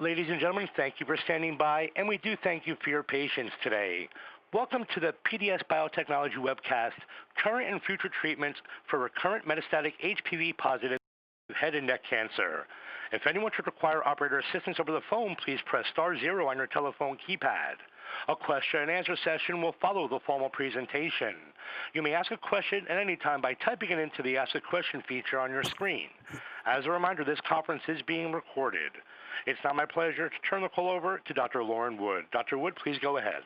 Ladies and gentlemen, thank you for standing by, and we do thank you for your patience today. Welcome to the PDS Biotechnology Webcast, Current and Future Treatments for Recurrent Metastatic HPV Positive Head and Neck Cancer. If anyone should require operator assistance over the phone, please press star zero on your telephone keypad. A question and answer session will follow the formal presentation. You may ask a question at any time by typing it into the Ask a Question feature on your screen. As a reminder, this conference is being recorded. It's now my pleasure to turn the call over to Dr. Lauren Wood. Dr. Wood, please go ahead.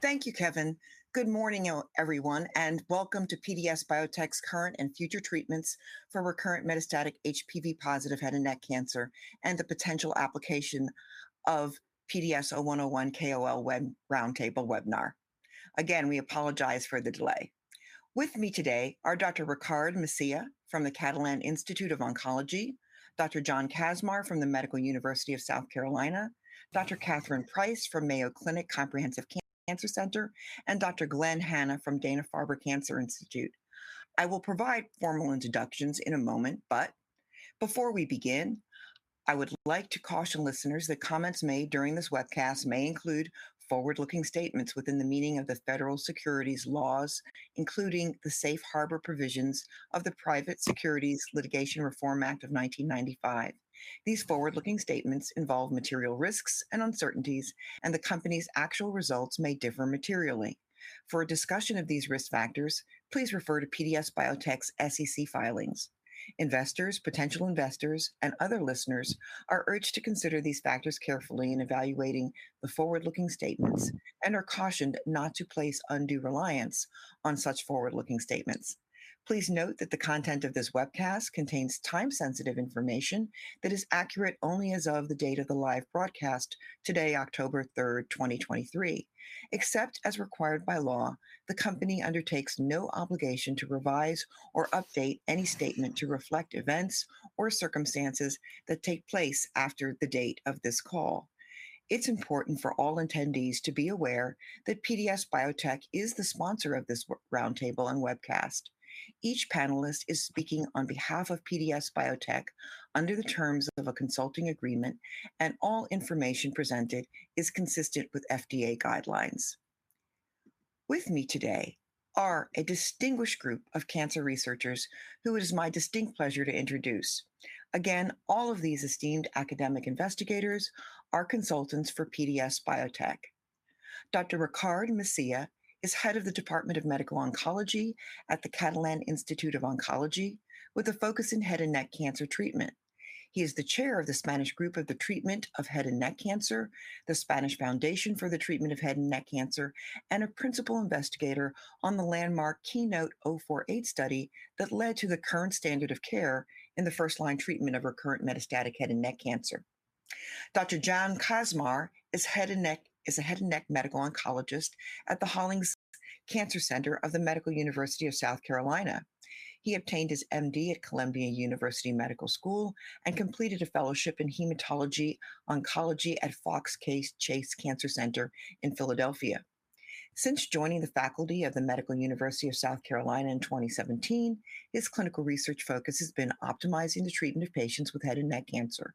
Thank you, Kevin. Good morning, everyone, and welcome to PDS Biotech's Current and Future Treatments for Recurrent Metastatic HPV Positive Head and Neck Cancer, and the potential application of PDS0101 KOL Web-Roundtable Webinar. Again, we apologize for the delay. With me today are Dr. Ricard Mesía from the Catalan Institute of Oncology, Dr. John Kaczmar from the Medical University of South Carolina, Dr. Katharine Price from Mayo Clinic Comprehensive Cancer Center, and Dr. Glenn Hanna from Dana-Farber Cancer Institute. I will provide formal introductions in a moment, but before we begin, I would like to caution listeners that comments made during this webcast may include forward-looking statements within the meaning of the federal securities laws, including the Safe Harbor provisions of the Private Securities Litigation Reform Act of 1995. These forward-looking statements involve material risks and uncertainties, and the company's actual results may differ materially. For a discussion of these risk factors, please refer to PDS Biotech's SEC filings. Investors, potential investors, and other listeners are urged to consider these factors carefully in evaluating the forward-looking statements and are cautioned not to place undue reliance on such forward-looking statements. Please note that the content of this webcast contains time-sensitive information that is accurate only as of the date of the live broadcast today, October third, 2023. Except as required by law, the company undertakes no obligation to revise or update any statement to reflect events or circumstances that take place after the date of this call. It's important for all attendees to be aware that PDS Biotech is the sponsor of this roundtable and webcast. Each panelist is speaking on behalf of PDS Biotech under the terms of a consulting agreement, and all information presented is consistent with FDA guidelines. With me today are a distinguished group of cancer researchers who it is my distinct pleasure to introduce. Again, all of these esteemed academic investigators are consultants for PDS Biotech. Dr. Ricard Mesía is Head of the Department of Medical Oncology at the Catalan Institute of Oncology, with a focus in head and neck cancer treatment. He is the chair of the Spanish Group of the Treatment of Head and Neck Cancer, the Spanish Foundation for the Treatment of Head and Neck Cancer, and a principal investigator on the landmark KEYNOTE-048 study that led to the current standard of care in the first-line treatment of recurrent metastatic head and neck cancer. Dr. John Kaczmar is a head and neck medical oncologist at the Hollings Cancer Center of the Medical University of South Carolina. He obtained his MD at Columbia University Medical School and completed a fellowship in Hematology Oncology at Fox Chase Cancer Center in Philadelphia. Since joining the faculty of the Medical University of South Carolina in 2017, his clinical research focus has been optimizing the treatment of patients with head and neck cancer.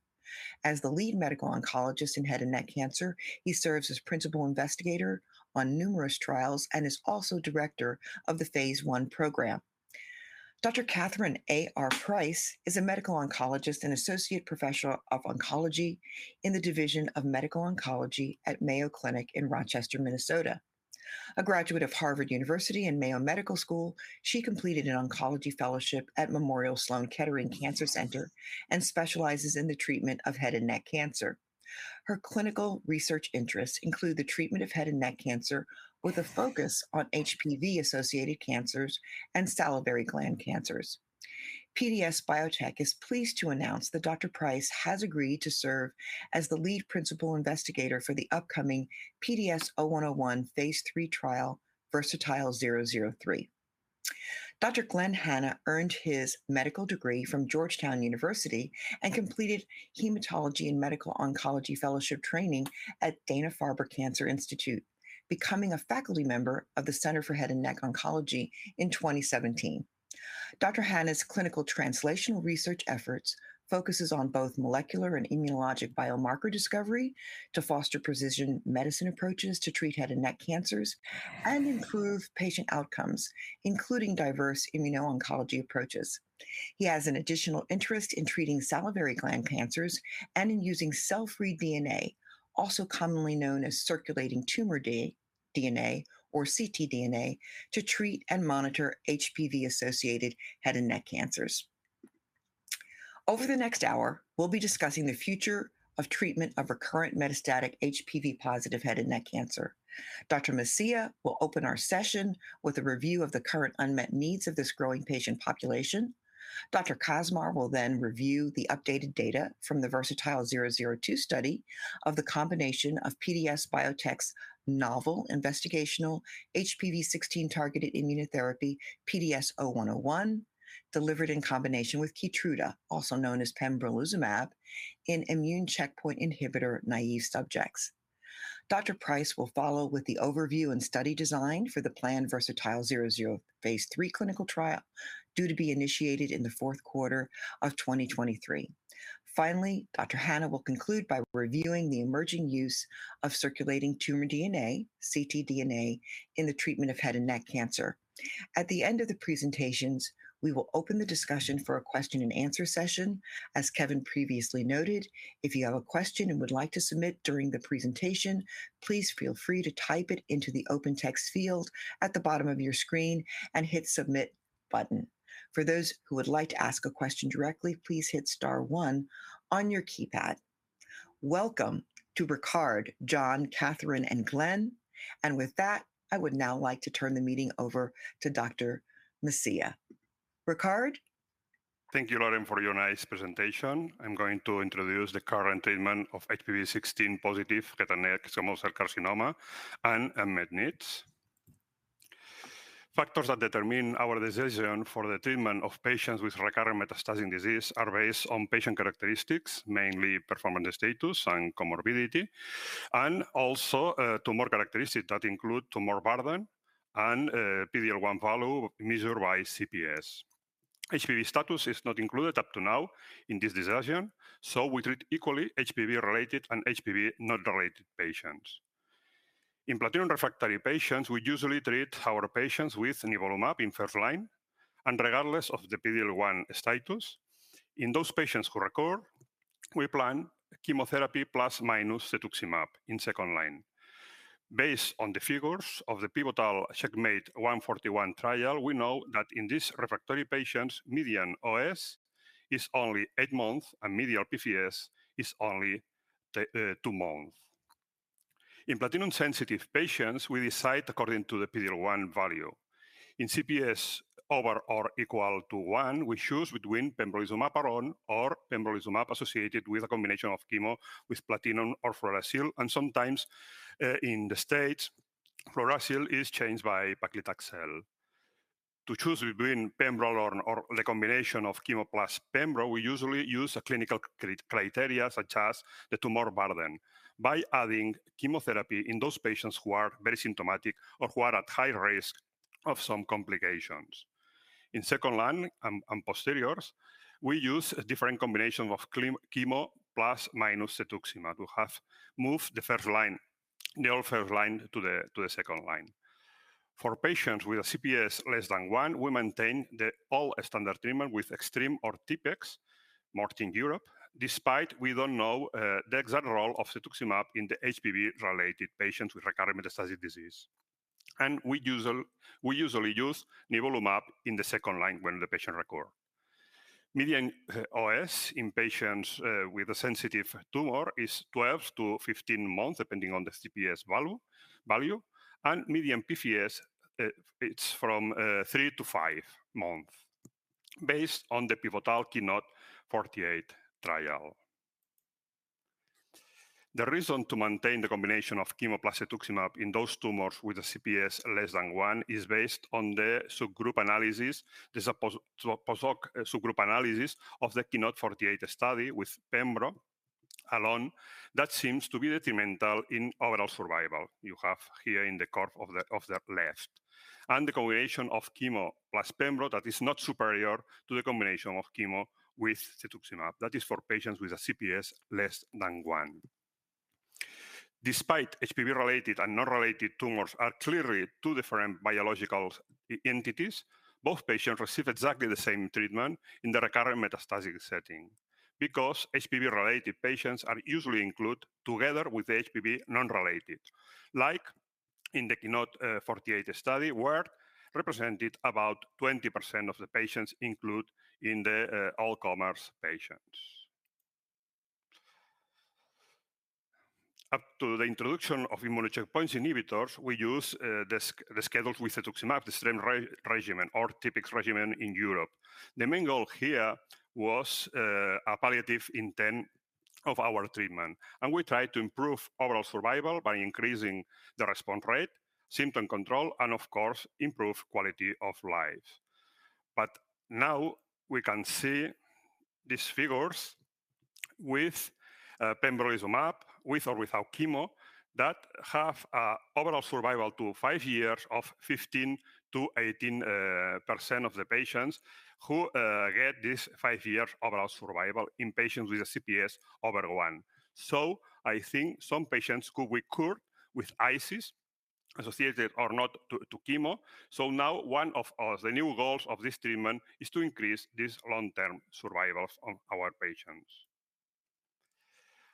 As the lead medical oncologist in head and neck cancer, he serves as principal investigator on numerous trials and is also director of the phase I program. Dr. Katharine A. R. Price is a medical oncologist and associate professor of oncology in the Division of Medical Oncology at Mayo Clinic in Rochester, Minnesota. A graduate of Harvard University and Mayo Medical School, she completed an oncology fellowship at Memorial Sloan Kettering Cancer Center and specializes in the treatment of head and neck cancer. Her clinical research interests include the treatment of head and neck cancer, with a focus on HPV-associated cancers and salivary gland cancers. PDS Biotech is pleased to announce that Dr. Price has agreed to serve as the lead principal investigator for the upcoming PDS0101 phase III trial, VERSATILE-003. Dr. Glenn Hanna earned his medical degree from Georgetown University and completed Hematology and Medical Oncology fellowship training at Dana-Farber Cancer Institute, becoming a faculty member of the Center for Head and Neck Oncology in 2017. Dr. Hanna's clinical translational research efforts focuses on both molecular and immunologic biomarker discovery to foster precision medicine approaches to treat head and neck cancers and improve patient outcomes, including diverse immuno-oncology approaches. He has an additional interest in treating salivary gland cancers and in using cell-free DNA, also commonly known as circulating tumor DNA or ctDNA, to treat and monitor HPV-associated head and neck cancers. Over the next hour, we'll be discussing the future of treatment of recurrent metastatic HPV-positive head and neck cancer. Dr. Mesía will open our session with a review of the current unmet needs of this growing patient population. Dr. Kaczmar will then review the updated data from the VERSATILE-002 study of the combination of PDS Biotech's novel investigational HPV-16 targeted immunotherapy, PDS0101, delivered in combination with Keytruda, also known as pembrolizumab, in immune checkpoint inhibitor-naïve subjects. Dr. Price will follow with the overview and study design for the planned VERSATILE-003 phase III clinical trial, due to be initiated in the fourth quarter of 2023. Finally, Dr. Hanna will conclude by reviewing the emerging use of circulating tumor DNA, ctDNA, in the treatment of head and neck cancer. At the end of the presentations, we will open the discussion for a question and answer session. As Kevin previously noted, if you have a question and would like to submit during the presentation, please feel free to type it into the open text field at the bottom of your screen and hit Submit button. For those who would like to ask a question directly, please hit star one on your keypad. Welcome to Ricard, John, Katharine, and Glenn. With that, I would now like to turn the meeting over to Dr. Mesía. Ricard? Thank you, Lauren, for your nice presentation. I'm going to introduce the current treatment of HPV-16 positive head and neck squamous cell carcinoma and unmet needs. Factors that determine our decision for the treatment of patients with recurrent metastatic disease are based on patient characteristics, mainly performance status and comorbidity, and also tumor characteristics that include tumor burden and PD-L1 value measured by CPS. HPV status is not included up to now in this decision, so we treat equally HPV-related and HPV-not related patients. In platinum-refractory patients, we usually treat our patients with nivolumab in first line and regardless of the PD-L1 status. In those patients who recur, we plan chemotherapy plus minus cetuximab in second line. Based on the figures of the pivotal CheckMate 141 trial, we know that in these refractory patients, median OS is only 8 months, and median PFS is only two months. In platinum-sensitive patients, we decide according to the PD-L1 value. In CPS ≥1, we choose between pembrolizumab alone or pembrolizumab associated with a combination of chemo with platinum or fluorouracil, and sometimes, in the States, fluorouracil is changed by paclitaxel. To choose between pembro alone or the combination of chemo plus pembro, we usually use a clinical criteria, such as the tumor burden, by adding chemotherapy in those patients who are very symptomatic or who are at high risk of some complications. In second line, post-ICI, we use a different combination of chemo plus minus cetuximab, to have moved the first line, the old first line to the second line. For patients with a CPS less than 1, we maintain the old standard treatment with Extreme or TPEx, marketed in Europe, despite we don't know the exact role of cetuximab in the HPV-related patients with recurrent metastatic disease. We usually use nivolumab in the second line when the patient recur. Median OS in patients with a sensitive tumor is 12-15 months, depending on the CPS value, and median PFS it's from 3-5 months, based on the pivotal KEYNOTE-048 trial. The reason to maintain the combination of chemo plus cetuximab in those tumors with a CPS less than one is based on the subgroup analysis. There's a post hoc subgroup analysis of the KEYNOTE-048 study with pembro alone that seems to be detrimental in overall survival. You have here in the curve of the left. The combination of chemo plus pembro that is not superior to the combination of chemo with cetuximab. That is for patients with a CPS less than one. Despite HPV-related and non-related tumors are clearly two different biological entities, both patients receive exactly the same treatment in the recurrent metastatic setting because HPV-related patients are usually included together with HPV non-related. Like in the KEYNOTE-048 study, where represented about 20% of the patients included in the all-comers patients. Up to the introduction of immune checkpoint inhibitors, we use the schedules with cetuximab, the Extreme regimen, or TPEx regimen in Europe. The main goal here was a palliative intent of our treatment, and we try to improve overall survival by increasing the response rate, symptom control, and of course, improve quality of life. But now we can see these figures with pembrolizumab, with or without chemo, that have overall survival to 5 years of 15%-18% of the patients who get this 5-year overall survival in patients with a CPS over 1. So I think some patients could recur with ICIs associated or not to chemo. So now one of the new goals of this treatment is to increase this long-term survivals on our patients.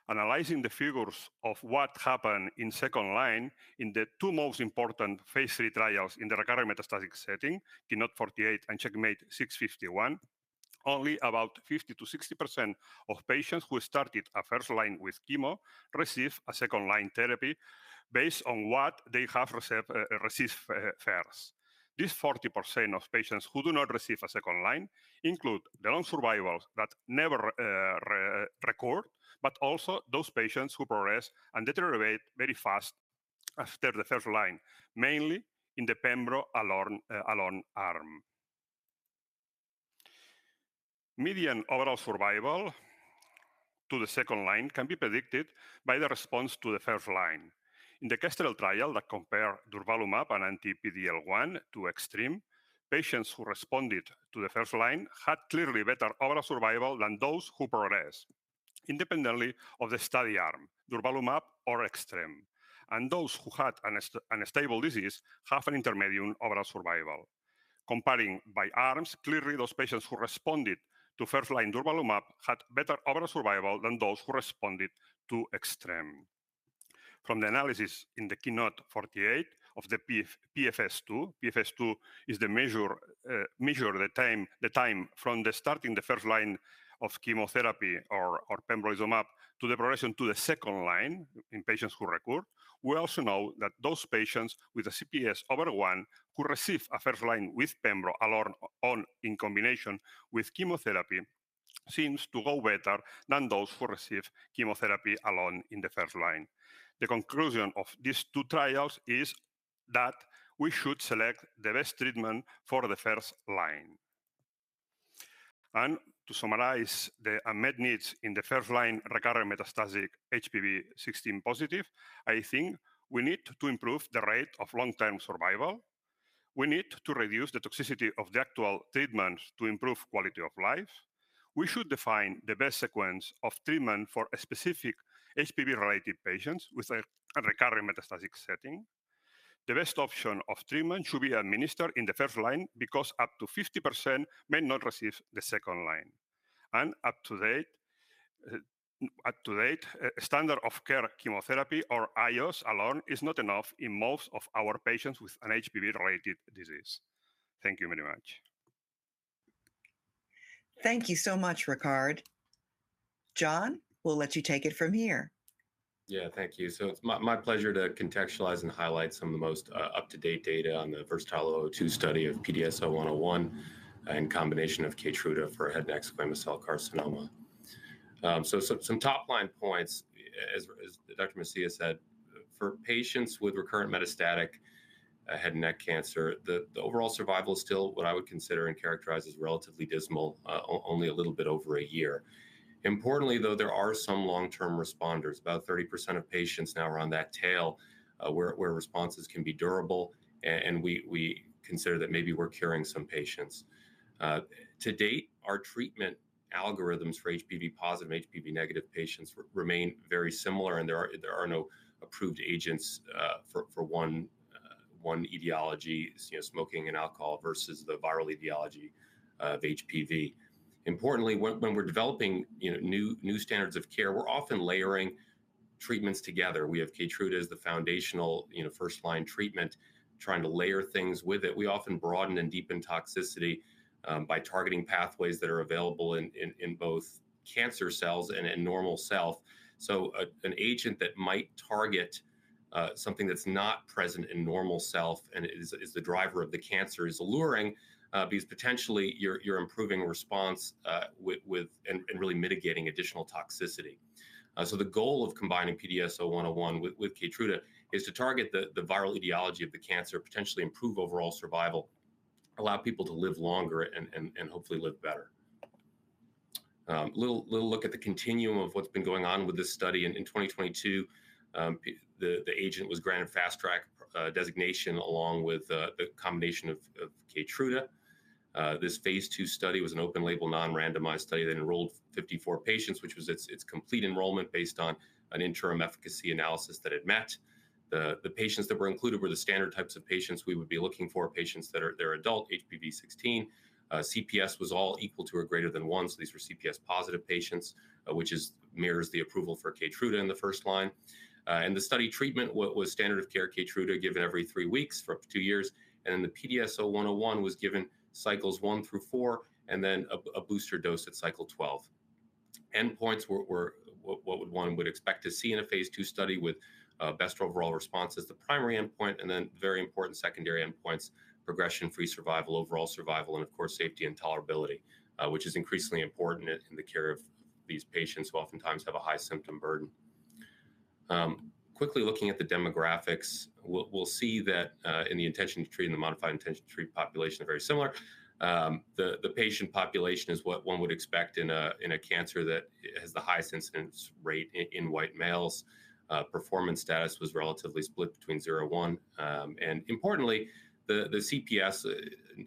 Analyzing the figures of what happened in second line in the two most important phase III trials in the recurrent metastatic setting, KEYNOTE-048 and CheckMate-651, only about 50%-60% of patients who started a first line with chemo receive a second-line therapy based on what they have received first. This 40% of patients who do not receive a second line include the long survivals that never recur, but also those patients who progress and deteriorate very fast after the first line, mainly in the pembro alone arm. Median overall survival to the second line can be predicted by the response to the first line. In the KEYNOTE trial that compare durvalumab and anti-PD-L1 to Extreme, patients who responded to the first line had clearly better overall survival than those who progressed independently of the study arm, durvalumab or Extreme. Those who had an unstable disease have an intermediate overall survival. Comparing by arms, clearly those patients who responded to first-line durvalumab had better overall survival than those who responded to Extreme. From the analysis in the KEYNOTE-048 of the PFS, PFS2, PFS2 is the measure, measure the time, the time from the starting the first line of chemotherapy or pembrolizumab to the progression to the second line in patients who recur. We also know that those patients with a CPS over 1, who receive a first-line with pembro alone or in combination with chemotherapy, seems to go better than those who receive chemotherapy alone in the first line. The conclusion of these two trials is that we should select the best treatment for the first line. To summarize the unmet needs in the first-line recurrent metastatic HPV-16 positive, I think we need to improve the rate of long-term survival. We need to reduce the toxicity of the actual treatments to improve quality of life. We should define the best sequence of treatment for specific HPV-related patients with a, a recurrent metastatic setting. The best option of treatment should be administered in the first line, because up to 50% may not receive the second line. And up to date, standard of care chemotherapy or IOS alone is not enough in most of our patients with an HPV-related disease. Thank you very much. Thank you so much, Ricard. John, we'll let you take it from here. Yeah, thank you. So it's my pleasure to contextualize and highlight some of the most up-to-date data on the VERSATILE-002 study of PDS0101 in combination of Keytruda for head and neck squamous cell carcinoma. So some top-line points, as Dr. Mesía said, for patients with recurrent metastatic head and neck cancer, the overall survival is still what I would consider and characterize as relatively dismal, only a little bit over a year. Importantly, though, there are some long-term responders. About 30% of patients now are on that tail, where responses can be durable, and we consider that maybe we're curing some patients. To date, our treatment algorithms for HPV-positive and HPV-negative patients remain very similar, and there are no approved agents for one etiology, you know, smoking and alcohol versus the viral etiology of HPV. Importantly, when we're developing, you know, new standards of care, we're often layering treatments together. We have Keytruda as the foundational, you know, first-line treatment, trying to layer things with it. We often broaden and deepen toxicity by targeting pathways that are available in both cancer cells and in normal cells. So an agent that might target something that's not present in normal cells and is the driver of the cancer is alluring because potentially you're improving response with—and really mitigating additional toxicity. So the goal of combining PDS0101 with Keytruda is to target the viral etiology of the cancer, potentially improve overall survival, allow people to live longer and hopefully live better. A little look at the continuum of what's been going on with this study. In 2022, the agent was granted fast track designation, along with the combination of Keytruda. This phase II study was an open-label, non-randomized study that enrolled 54 patients, which was its complete enrollment based on an interim efficacy analysis that it met. The patients that were included were the standard types of patients we would be looking for, patients that are adult, HPV-16. CPS was all equal to or greater than 1, so these were CPS-positive patients, which mirrors the approval for Keytruda in the first line. And the study treatment was standard of care Keytruda, given every 3 weeks for up to 2 years, and the PDS0101 was given cycles 1 through 4, and then a booster dose at cycle 12. Endpoints were what one would expect to see in a phase II study with best overall response as the primary endpoint, and then very important secondary endpoints: progression-free survival, overall survival, and of course, safety and tolerability, which is increasingly important in the care of these patients, who oftentimes have a high symptom burden. Quickly looking at the demographics, we'll see that in the intention-to-treat and the modified intention-to-treat population are very similar. The patient population is what one would expect in a cancer that has the highest incidence rate in white males. Performance status was relatively split between 0/1. And importantly, the CPS,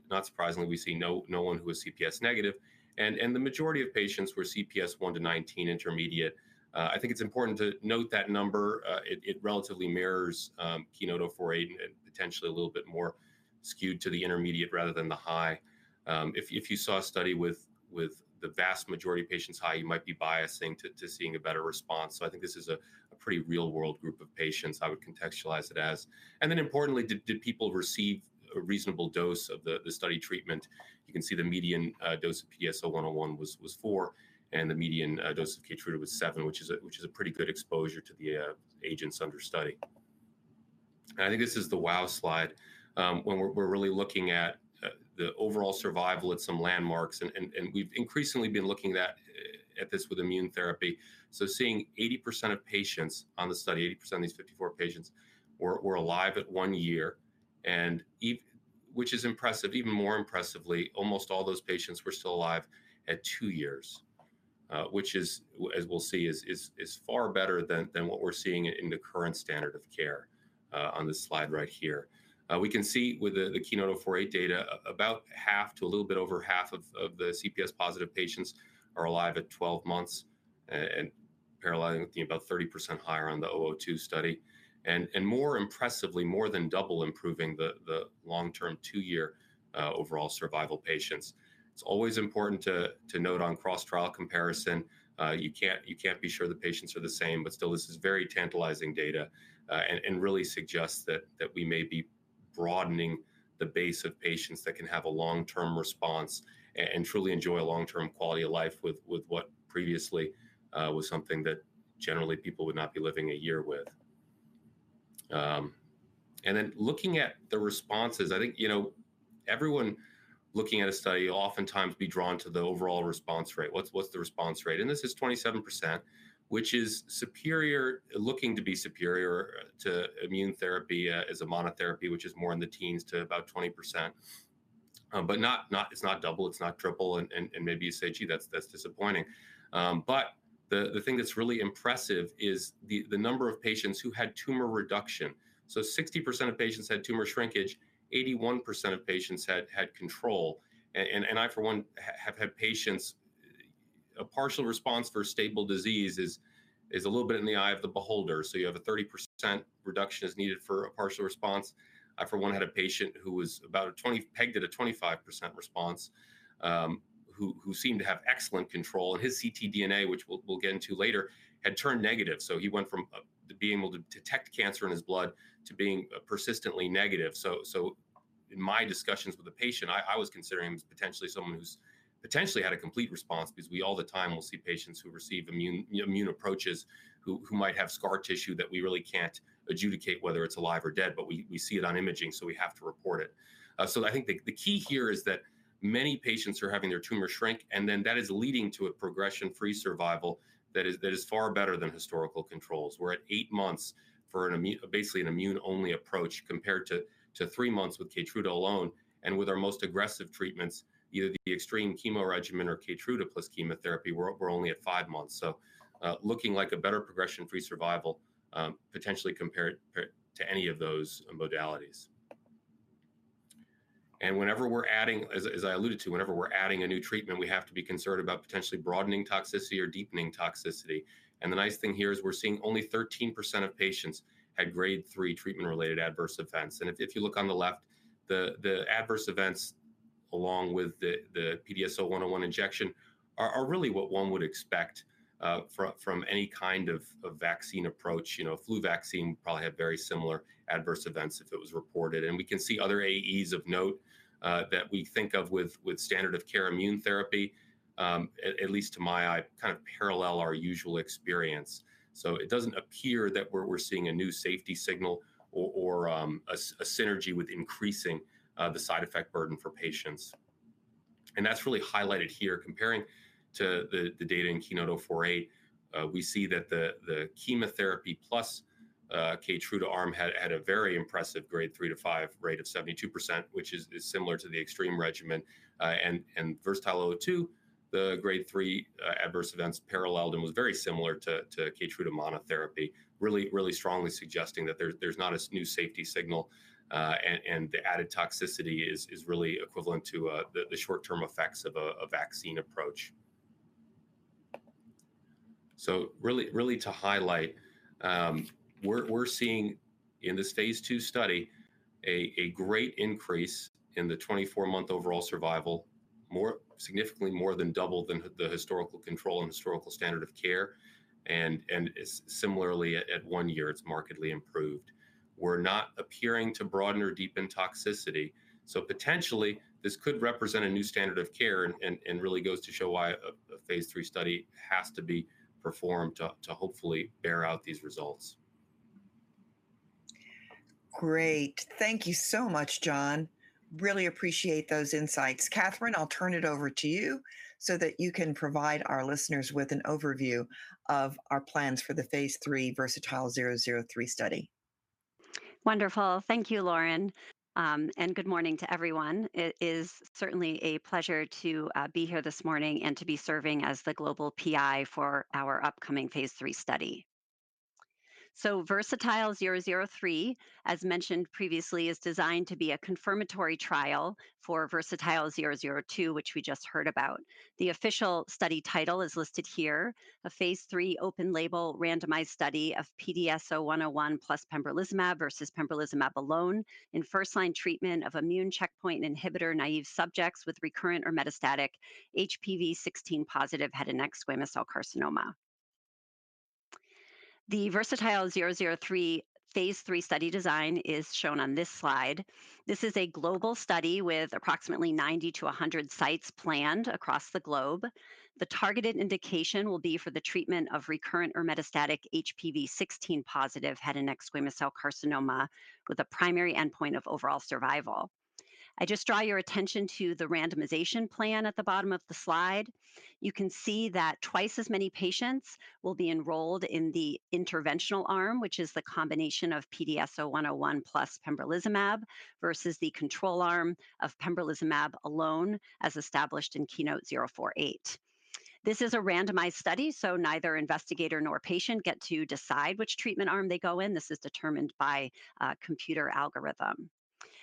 not surprisingly, we see no one who is CPS negative, and the majority of patients were CPS 1-19 intermediate. I think it's important to note that number. It relatively mirrors KEYNOTE-048 and potentially a little bit more skewed to the intermediate rather than the high. If you saw a study with the vast majority of patients high, you might be biasing to seeing a better response. So I think this is a pretty real-world group of patients, I would contextualize it as. Then importantly, did people receive a reasonable dose of the study treatment? You can see the median dose of PDS0101 was 4, and the median dose of Keytruda was 7, which is a pretty good exposure to the agents under study. I think this is the wow slide. When we're really looking at the overall survival at some landmarks, and we've increasingly been looking at this with immune therapy. So seeing 80% of patients on the study, 80% of these 54 patients were alive at one year, and even which is impressive. Even more impressively, almost all those patients were still alive at 2 years, which is, as we'll see, far better than what we're seeing in the current standard of care, on this slide right here. We can see with the KEYNOTE-048 data, about half to a little bit over half of the CPS-positive patients are alive at 12 months, paralleling I think about 30% higher on the VERSATILE-002 study. More impressively, more than double improving the long-term 2-year overall survival patients. It's always important to note on cross-trial comparison, you can't be sure the patients are the same, but still, this is very tantalizing data. And really suggests that we may be broadening the base of patients that can have a long-term response and truly enjoy a long-term quality of life with what previously was something that generally people would not be living a year with. And then looking at the responses, I think, you know, everyone looking at a study will oftentimes be drawn to the overall response rate. What's the response rate? And this is 27%, which is superior, looking to be superior, to immune therapy as a monotherapy, which is more in the teens to about 20%. But not, it's not double, it's not triple. And maybe you say, "Gee, that's disappointing." But the thing that's really impressive is the number of patients who had tumor reduction. So 60% of patients had tumor shrinkage, 81% of patients had control. And I, for one, have had patients. A partial response for stable disease is a little bit in the eye of the beholder, so you have a 30% reduction is needed for a partial response. I, for one, had a patient who was about a twenty-pegged at a 25% response, who seemed to have excellent control. And his ctDNA, which we'll get into later, had turned negative. So he went from being able to detect cancer in his blood to being persistently negative. So in my discussions with the patient, I was considering potentially someone who's potentially had a complete response, because we all the time will see patients who receive immune approaches, who might have scar tissue that we really can't adjudicate whether it's alive or dead, but we see it on imaging, so we have to report it. So I think the key here is that many patients are having their tumor shrink, and then that is leading to a progression-free survival that is far better than historical controls. We're at 8 months for an immune- basically an immune-only approach, compared to 3 months with Keytruda alone. And with our most aggressive treatments, either the Extreme chemo regimen or Keytruda plus chemotherapy, we're only at 5 months. So, looking like a better progression-free survival, potentially compared to any of those modalities. Whenever we're adding, as I alluded to, whenever we're adding a new treatment, we have to be concerned about potentially broadening toxicity or deepening toxicity. The nice thing here is we're seeing only 13% of patients had grade 3 treatment-related adverse events. If you look on the left, the adverse events, along with the PDS0101 injection, are really what one would expect from any kind of vaccine approach. You know, a flu vaccine would probably have very similar adverse events if it was reported. We can see other AEs of note that we think of with standard of care immune therapy, at least to my eye, kind of parallel our usual experience. So it doesn't appear that we're seeing a new safety signal or a synergy with increasing the side effect burden for patients. And that's really highlighted here. Comparing to the data in KEYNOTE-048, we see that the chemotherapy plus Keytruda arm had a very impressive grade 3-5 rate of 72%, which is similar to the Extreme regimen. And VERSATILE-002, the grade 3 adverse events paralleled and was very similar to Keytruda monotherapy, really, really strongly suggesting that there's not a new safety signal, and the added toxicity is really equivalent to the short-term effects of a vaccine approach. So really, really to highlight, we're seeing in this phase II study, a great increase in the 24-month overall survival, significantly more than double the historical control and historical standard of care. Similarly, at one year, it's markedly improved. We're not appearing to broaden or deepen toxicity, so potentially this could represent a new standard of care and really goes to show why a phase III study has to be performed to hopefully bear out these results. Great. Thank you so much, John. Really appreciate those insights. Katharine, I'll turn it over to you so that you can provide our listeners with an overview of our plans for the phase III VERSATILE-003 study. Wonderful. Thank you, Lauren, and good morning to everyone. It is certainly a pleasure to be here this morning and to be serving as the global PI for our upcoming phase III study. VERSATILE-003, as mentioned previously, is designed to be a confirmatory trial for VERSATILE-002, which we just heard about. The official study title is listed here: a phase III open-label randomized study of PDS0101 plus pembrolizumab versus pembrolizumab alone in first-line treatment of immune checkpoint inhibitor-naïve subjects with recurrent or metastatic HPV-16-positive head and neck squamous cell carcinoma. The VERSATILE-003 phase III study design is shown on this slide. This is a global study with approximately 90-100 sites planned across the globe. The targeted indication will be for the treatment of recurrent or metastatic HPV-16-positive head and neck squamous cell carcinoma, with a primary endpoint of overall survival. I just draw your attention to the randomization plan at the bottom of the slide. You can see that twice as many patients will be enrolled in the interventional arm, which is the combination of PDS0101 plus pembrolizumab, versus the control arm of pembrolizumab alone, as established in KEYNOTE-048. This is a randomized study, so neither investigator nor patient get to decide which treatment arm they go in. This is determined by a computer algorithm.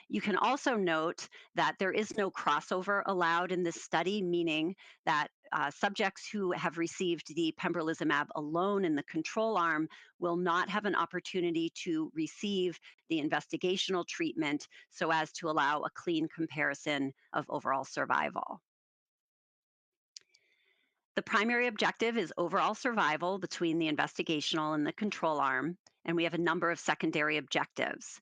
You can also note that there is no crossover allowed in this study, meaning that subjects who have received the pembrolizumab alone in the control arm will not have an opportunity to receive the investigational treatment so as to allow a clean comparison of overall survival. The primary objective is overall survival between the investigational and the control arm, and we have a number of secondary objectives.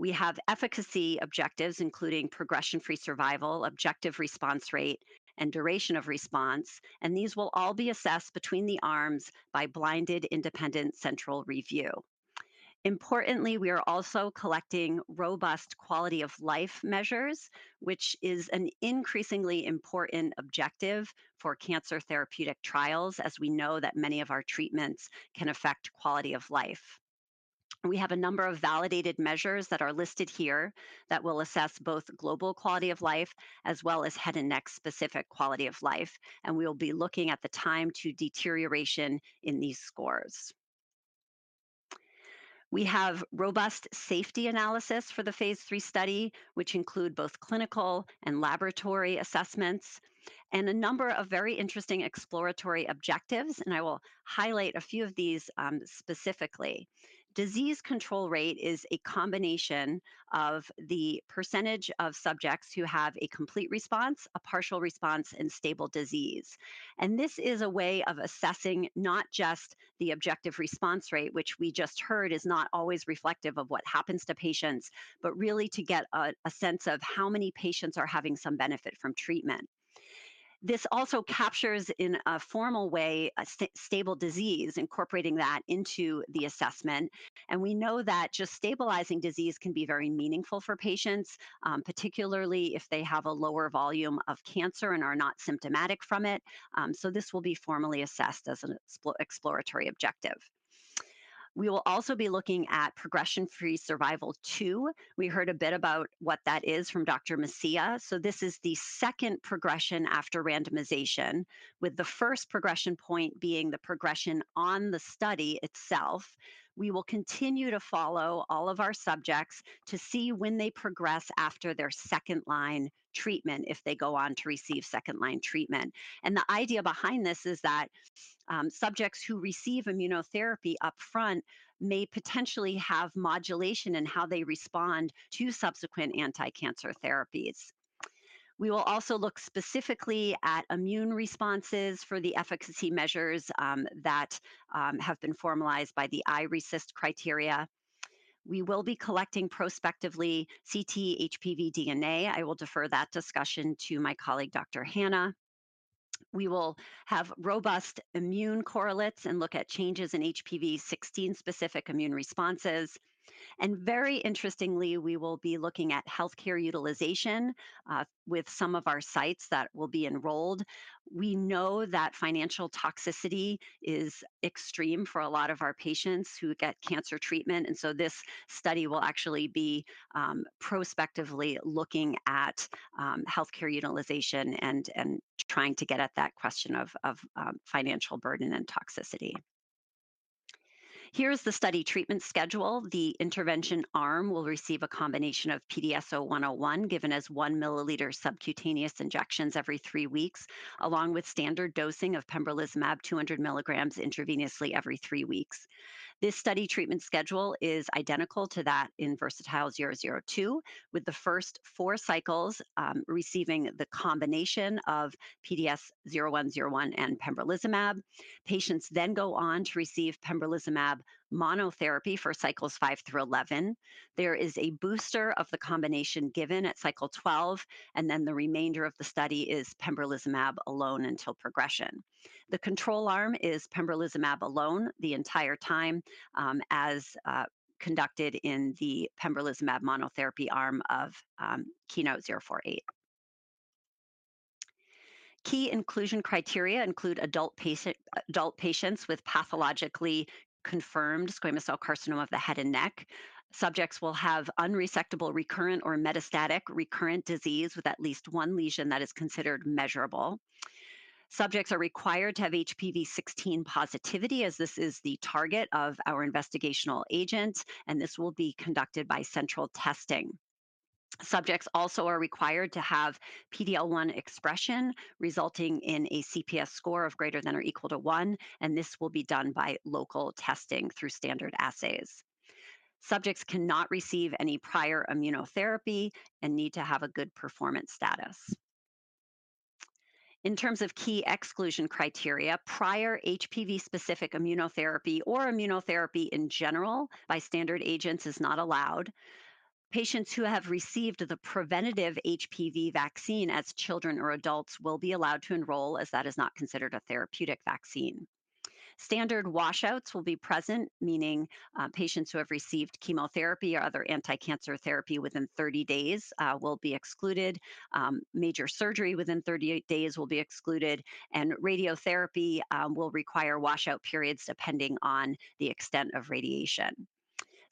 We have efficacy objectives, including progression-free survival, objective response rate, and duration of response, and these will all be assessed between the arms by blinded, independent central review. Importantly, we are also collecting robust quality-of-life measures, which is an increasingly important objective for cancer therapeutic trials, as we know that many of our treatments can affect quality of life. We have a number of validated measures that are listed here that will assess both global quality of life as well as head and neck-specific quality of life, and we will be looking at the time to deterioration in these scores. We have robust safety analysis for the phase III study, which include both clinical and laboratory assessments, and a number of very interesting exploratory objectives, and I will highlight a few of these, specifically. Disease control rate is a combination of the percentage of subjects who have a complete response, a partial response, and stable disease. This is a way of assessing not just the objective response rate, which we just heard is not always reflective of what happens to patients, but really to get a sense of how many patients are having some benefit from treatment. This also captures, in a formal way, a stable disease, incorporating that into the assessment, and we know that just stabilizing disease can be very meaningful for patients, particularly if they have a lower volume of cancer and are not symptomatic from it. So this will be formally assessed as an exploratory objective. We will also be looking at progression-free survival, too. We heard a bit about what that is from Dr. Mesía. So this is the second progression after randomization, with the first progression point being the progression on the study itself. We will continue to follow all of our subjects to see when they progress after their second-line treatment, if they go on to receive second-line treatment. And the idea behind this is that subjects who receive immunotherapy upfront may potentially have modulation in how they respond to subsequent anticancer therapies. We will also look specifically at immune responses for the efficacy measures that have been formalized by the iRECIST criteria. We will be collecting, prospectively, ctDNA HPV DNA. I will defer that discussion to my colleague, Dr. Hanna. We will have robust immune correlates and look at changes in HPV-16-specific immune responses. And very interestingly, we will be looking at healthcare utilization with some of our sites that will be enrolled. We know that financial toxicity is extreme for a lot of our patients who get cancer treatment, and so this study will actually be prospectively looking at healthcare utilization and trying to get at that question of financial burden and toxicity. Here is the study treatment schedule. The intervention arm will receive a combination of PDS0101, given as 1 milliliter subcutaneous injections every three weeks, along with standard dosing of pembrolizumab, 200 mg intravenously every three weeks. This study treatment schedule is identical to that in VERSATILE-002, with the first 4 cycles receiving the combination of PDS0101 and pembrolizumab. Patients then go on to receive pembrolizumab monotherapy for cycles 5 through 11. There is a booster of the combination given at cycle 12, and then the remainder of the study is pembrolizumab alone until progression. The control arm is pembrolizumab alone the entire time, conducted in the pembrolizumab monotherapy arm of KEYNOTE-048. Key inclusion criteria include adult patients with pathologically confirmed squamous cell carcinoma of the head and neck. Subjects will have unresectable, recurrent, or metastatic recurrent disease, with at least one lesion that is considered measurable. Subjects are required to have HPV-16 positivity, as this is the target of our investigational agent, and this will be conducted by central testing. Subjects also are required to have PD-L1 expression, resulting in a CPS score of greater than or equal to 1, and this will be done by local testing through standard assays. Subjects cannot receive any prior immunotherapy and need to have a good performance status. In terms of key exclusion criteria, prior HPV-specific immunotherapy or immunotherapy in general by standard agents is not allowed. Patients who have received the preventative HPV vaccine as children or adults will be allowed to enroll, as that is not considered a therapeutic vaccine. Standard washouts will be present, meaning patients who have received chemotherapy or other anticancer therapy within 30 days will be excluded. Major surgery within 38 days will be excluded, and radiotherapy will require washout periods, depending on the extent of radiation.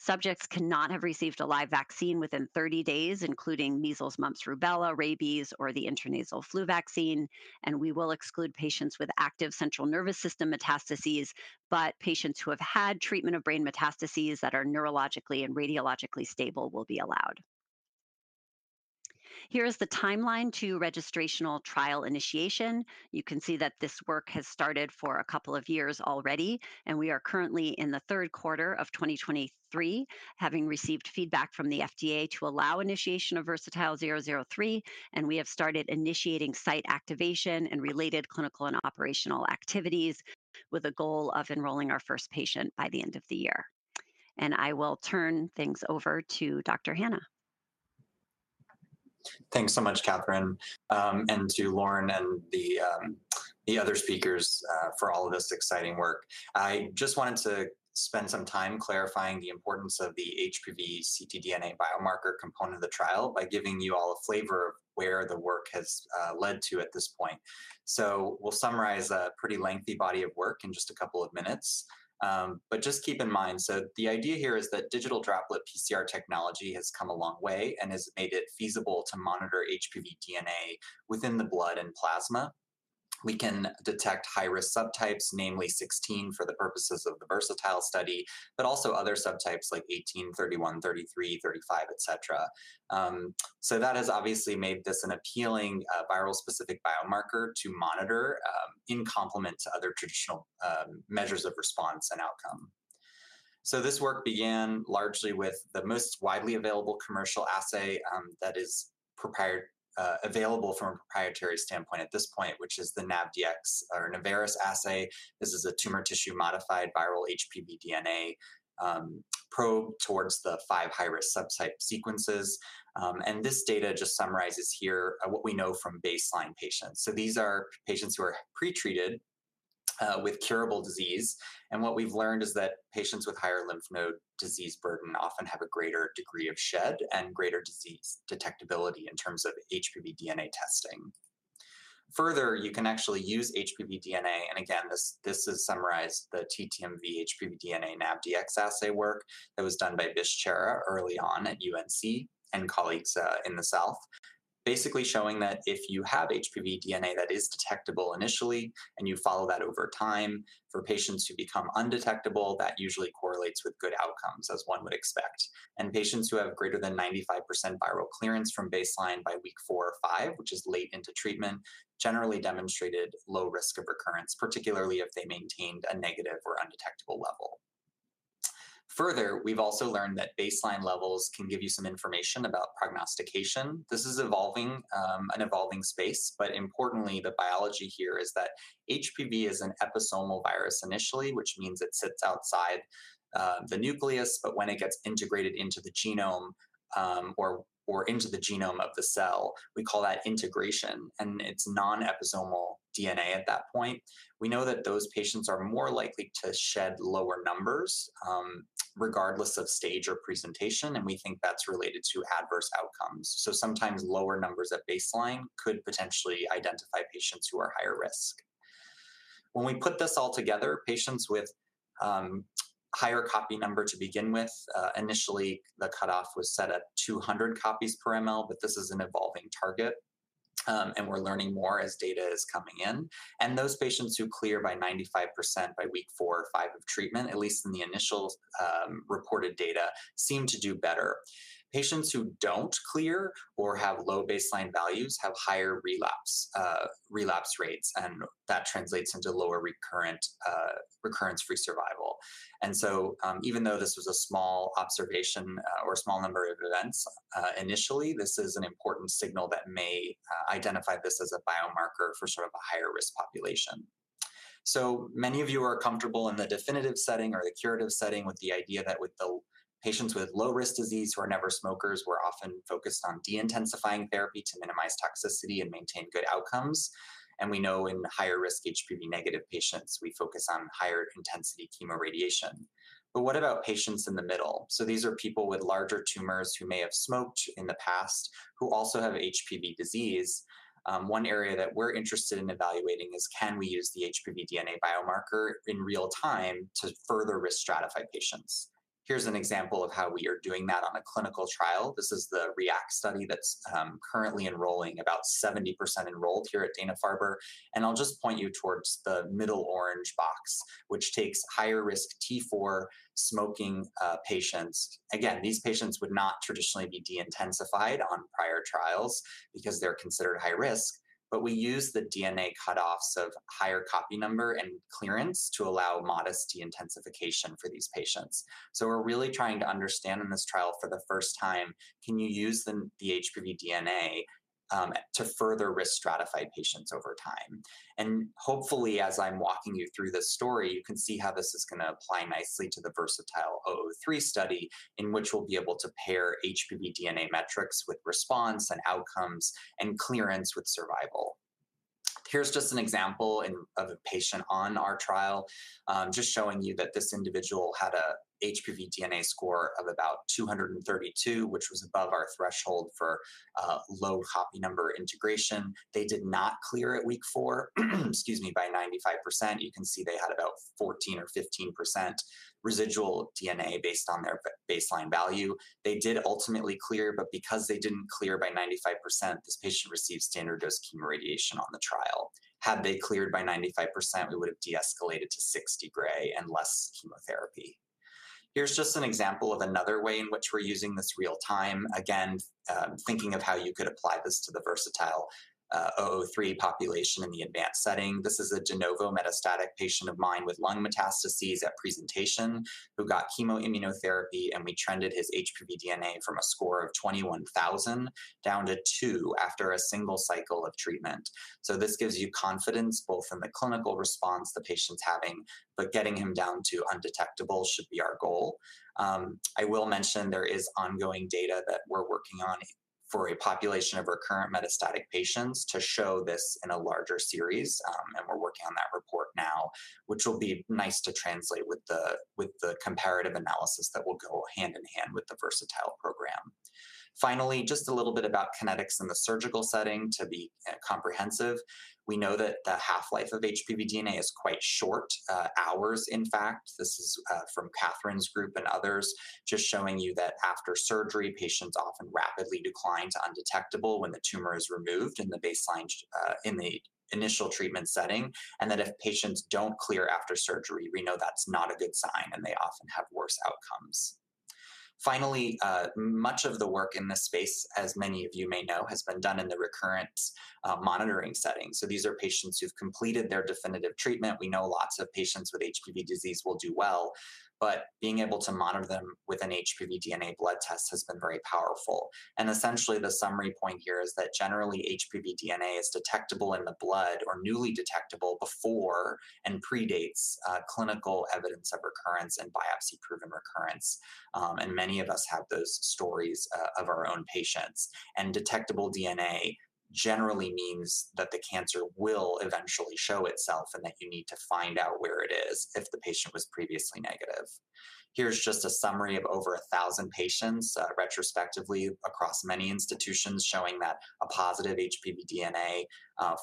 Subjects cannot have received a live vaccine within 30 days, including measles, mumps, rubella, rabies, or the intranasal flu vaccine, and we will exclude patients with active central nervous system metastases, but patients who have had treatment of brain metastases that are neurologically and radiologically stable will be allowed. Here is the timeline to registrational trial initiation. You can see that this work has started for a couple of years already, and we are currently in the third quarter of 2023, having received feedback from the FDA to allow initiation of VERSATILE-003. We have started initiating site activation and related clinical and operational activities, with a goal of enrolling our first patient by the end of the year. I will turn things over to Dr. Hanna. Thanks so much, Katharine, and to Lauren and the other speakers, for all of this exciting work. I just wanted to spend some time clarifying the importance of the HPV ctDNA biomarker component of the trial by giving you all a flavor of where the work has led to at this point. So we'll summarize a pretty lengthy body of work in just a couple of minutes. But just keep in mind, so the idea here is that digital droplet PCR technology has come a long way and has made it feasible to monitor HPV DNA within the blood and plasma. We can detect high-risk subtypes, namely 16, for the purposes of the VERSATILE study, but also other subtypes like 18, 31, 33, 35, et cetera. So that has obviously made this an appealing, viral-specific biomarker to monitor, in complement to other traditional measures of response and outcome. So this work began largely with the most widely available commercial assay that is available from a proprietary standpoint at this point, which is the NavDx or Naveris assay. This is a tumor tissue-modified viral HPV DNA probe towards the five high-risk subtype sequences. And this data just summarizes here what we know from baseline patients. So these are patients who are pretreated with curable disease. And what we've learned is that patients with higher lymph node disease burden often have a greater degree of shed and greater disease detectability in terms of HPV DNA testing. Further, you can actually use HPV DNA, and again, this, this is summarized, the TTMV-HPV DNA NavDx assay work that was done by Bhisham early on at UNC and colleagues in the south. Basically showing that if you have HPV DNA that is detectable initially, and you follow that over time, for patients who become undetectable, that usually correlates with good outcomes, as one would expect. And patients who have greater than 95% viral clearance from baseline by week four or five, which is late into treatment, generally demonstrated low risk of recurrence, particularly if they maintained a negative or undetectable level. Further, we've also learned that baseline levels can give you some information about prognostication. This is evolving, an evolving space, but importantly, the biology here is that HPV is an episomal virus initially, which means it sits outside the nucleus, but when it gets integrated into the genome, or into the genome of the cell, we call that integration, and it's non-episomal DNA at that point. We know that those patients are more likely to shed lower numbers, regardless of stage or presentation, and we think that's related to adverse outcomes. So sometimes lower numbers at baseline could potentially identify patients who are higher risk. When we put this all together, patients with higher copy number to begin with, initially, the cutoff was set at 200 copies per ml, but this is an evolving target, and we're learning more as data is coming in. Those patients who clear by 95% by week 4 or 5 of treatment, at least in the initial, reported data, seem to do better. Patients who don't clear or have low baseline values have higher relapse, relapse rates, and that translates into lower recurrent, recurrence-free survival. And so, even though this was a small observation, or a small number of events, initially, this is an important signal that may identify this as a biomarker for sort of a higher-risk population. So many of you are comfortable in the definitive setting or the curative setting with the idea that with the patients with low-risk disease who are never smokers, we're often focused on deintensifying therapy to minimize toxicity and maintain good outcomes. And we know in higher-risk HPV-negative patients, we focus on higher-intensity chemoradiation. But what about patients in the middle? So these are people with larger tumors who may have smoked in the past, who also have HPV disease. One area that we're interested in evaluating is: can we use the HPV DNA biomarker in real time to further risk-stratify patients? Here's an example of how we are doing that on a clinical trial. This is the REACT study that's currently enrolling, about 70% enrolled here at Dana-Farber. And I'll just point you towards the middle orange box, which takes higher-risk T4 smoking patients. Again, these patients would not traditionally be deintensified on prior trials because they're considered high risk, but we use the DNA cutoffs of higher copy number and clearance to allow modest deintensification for these patients. So we're really trying to understand in this trial for the first time, can you use the HPV DNA to further risk-stratify patients over time? And hopefully, as I'm walking you through this story, you can see how this is going to apply nicely to the VERSATILE-003 study, in which we'll be able to pair HPV DNA metrics with response and outcomes and clearance with survival. Here's just an example of a patient on our trial, just showing you that this individual had an HPV DNA score of about 232, which was above our threshold for low copy number integration. They did not clear at week 4, excuse me, by 95%. You can see they had about 14% or 15% residual DNA based on their baseline value. They did ultimately clear, but because they didn't clear by 95%, this patient received standard dose chemoradiation on the trial. Had they cleared by 95%, we would have deescalated to 60 Gy and less chemotherapy. Here's just an example of another way in which we're using this real time. Again, thinking of how you could apply this to the VERSATILE-003 population in the advanced setting. This is a de novo metastatic patient of mine with lung metastases at presentation, who got chemo immunotherapy, and we trended his HPV DNA from a score of 21,000 down to 2 after a single cycle of treatment. So this gives you confidence, both in the clinical response the patient's having, but getting him down to undetectable should be our goal. I will mention there is ongoing data that we're working on for a population of recurrent metastatic patients to show this in a larger series. And we're working on that report now, which will be nice to translate with the comparative analysis that will go hand in hand with the VERSATILE program. Finally, just a little bit about kinetics in the surgical setting to be comprehensive. We know that the half-life of HPV DNA is quite short, hours in fact. This is from Katharine's group and others, just showing you that after surgery, patients often rapidly decline to undetectable when the tumor is removed in the initial treatment setting, and that if patients don't clear after surgery, we know that's not a good sign, and they often have worse outcomes. Finally, much of the work in this space, as many of you may know, has been done in the recurrence monitoring setting. So these are patients who've completed their definitive treatment. We know lots of patients with HPV disease will do well, but being able to monitor them with an HPV DNA blood test has been very powerful. Essentially, the summary point here is that generally, HPV DNA is detectable in the blood or newly detectable before and predates clinical evidence of recurrence and biopsy-proven recurrence. Many of us have those stories of our own patients. Detectable DNA generally means that the cancer will eventually show itself and that you need to find out where it is if the patient was previously negative. Here's just a summary of over 1,000 patients, retrospectively across many institutions, showing that a positive HPV DNA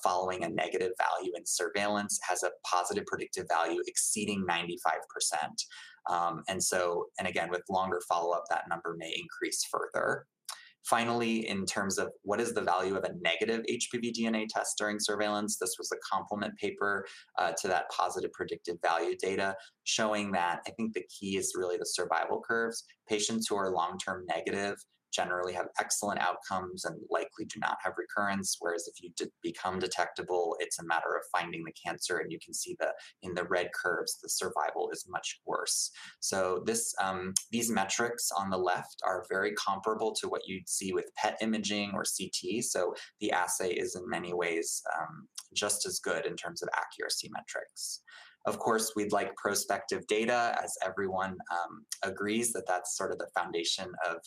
following a negative value in surveillance has a positive predictive value exceeding 95%. And so, and again, with longer follow-up, that number may increase further. Finally, in terms of what is the value of a negative HPV DNA test during surveillance, this was a complementary paper to that positive predictive value data, showing that I think the key is really the survival curves. Patients who are long-term negative generally have excellent outcomes and likely do not have recurrence, whereas if you become detectable, it's a matter of finding the cancer, and you can see the, in the red curves, the survival is much worse. So this, these metrics on the left are very comparable to what you'd see with PET imaging or CT, so the assay is in many ways just as good in terms of accuracy metrics. Of course, we'd like prospective data, as everyone agrees that that's sort of the foundation of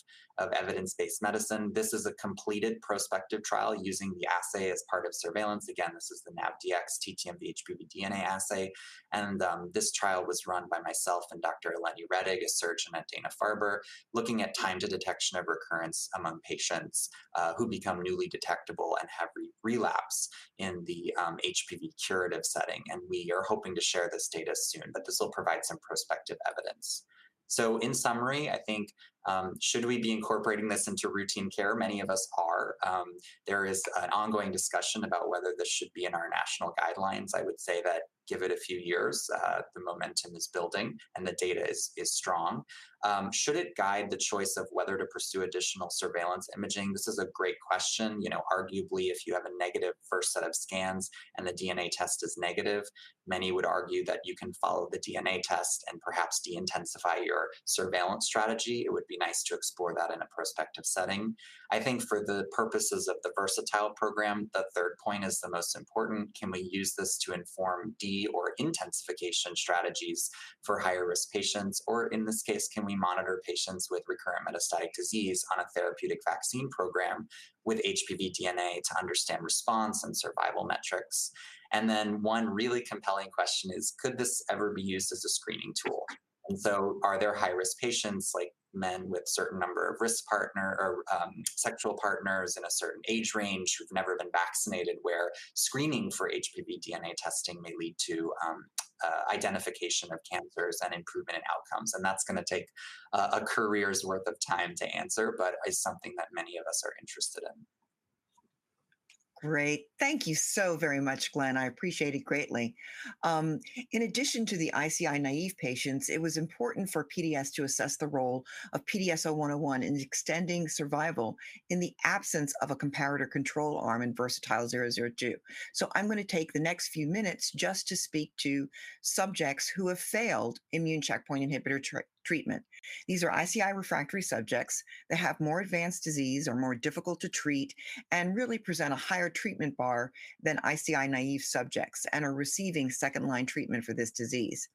evidence-based medicine. This is a completed prospective trial using the assay as part of surveillance. Again, this is the NavDx TTMV-HPV DNA assay, and this trial was run by myself and Dr. Eleni Rettig, a surgeon at Dana-Farber, looking at time to detection of recurrence among patients who become newly detectable and have relapse in the HPV curative setting. We are hoping to share this data soon, but this will provide some prospective evidence. So in summary, I think, should we be incorporating this into routine care? Many of us are. There is an ongoing discussion about whether this should be in our national guidelines. I would say that, give it a few years. The momentum is building and the data is strong. Should it guide the choice of whether to pursue additional surveillance imaging? This is a great question. You know, arguably, if you have a negative first set of scans and the DNA test is negative, many would argue that you can follow the DNA test and perhaps de-intensify your surveillance strategy. It would be nice to explore that in a prospective setting. I think for the purposes of the VERSATILE program, the third point is the most important: Can we use this to inform de- or intensification strategies for higher-risk patients? Or in this case, can we monitor patients with recurrent metastatic disease on a therapeutic vaccine program with HPV DNA to understand response and survival metrics? And then one really compelling question is, could this ever be used as a screening tool? So are there high-risk patients, like men with certain number of risk partner or sexual partners in a certain age range who've never been vaccinated, where screening for HPV DNA testing may lead to identification of cancers and improvement in outcomes? That's gonna take a career's worth of time to answer, but is something that many of us are interested in. Great. Thank you so very much, Glenn. I appreciate it greatly. In addition to the ICI-naïve patients, it was important for PDS to assess the role of PDS0101 in extending survival in the absence of a comparator control arm in VERSATILE-002. So I'm going to take the next few minutes just to speak to subjects who have failed immune checkpoint inhibitor treatment. These are ICI-refractory subjects that have more advanced disease or more difficult to treat and really present a higher treatment bar than ICI-naïve subjects and are receiving second-line treatment for this disease.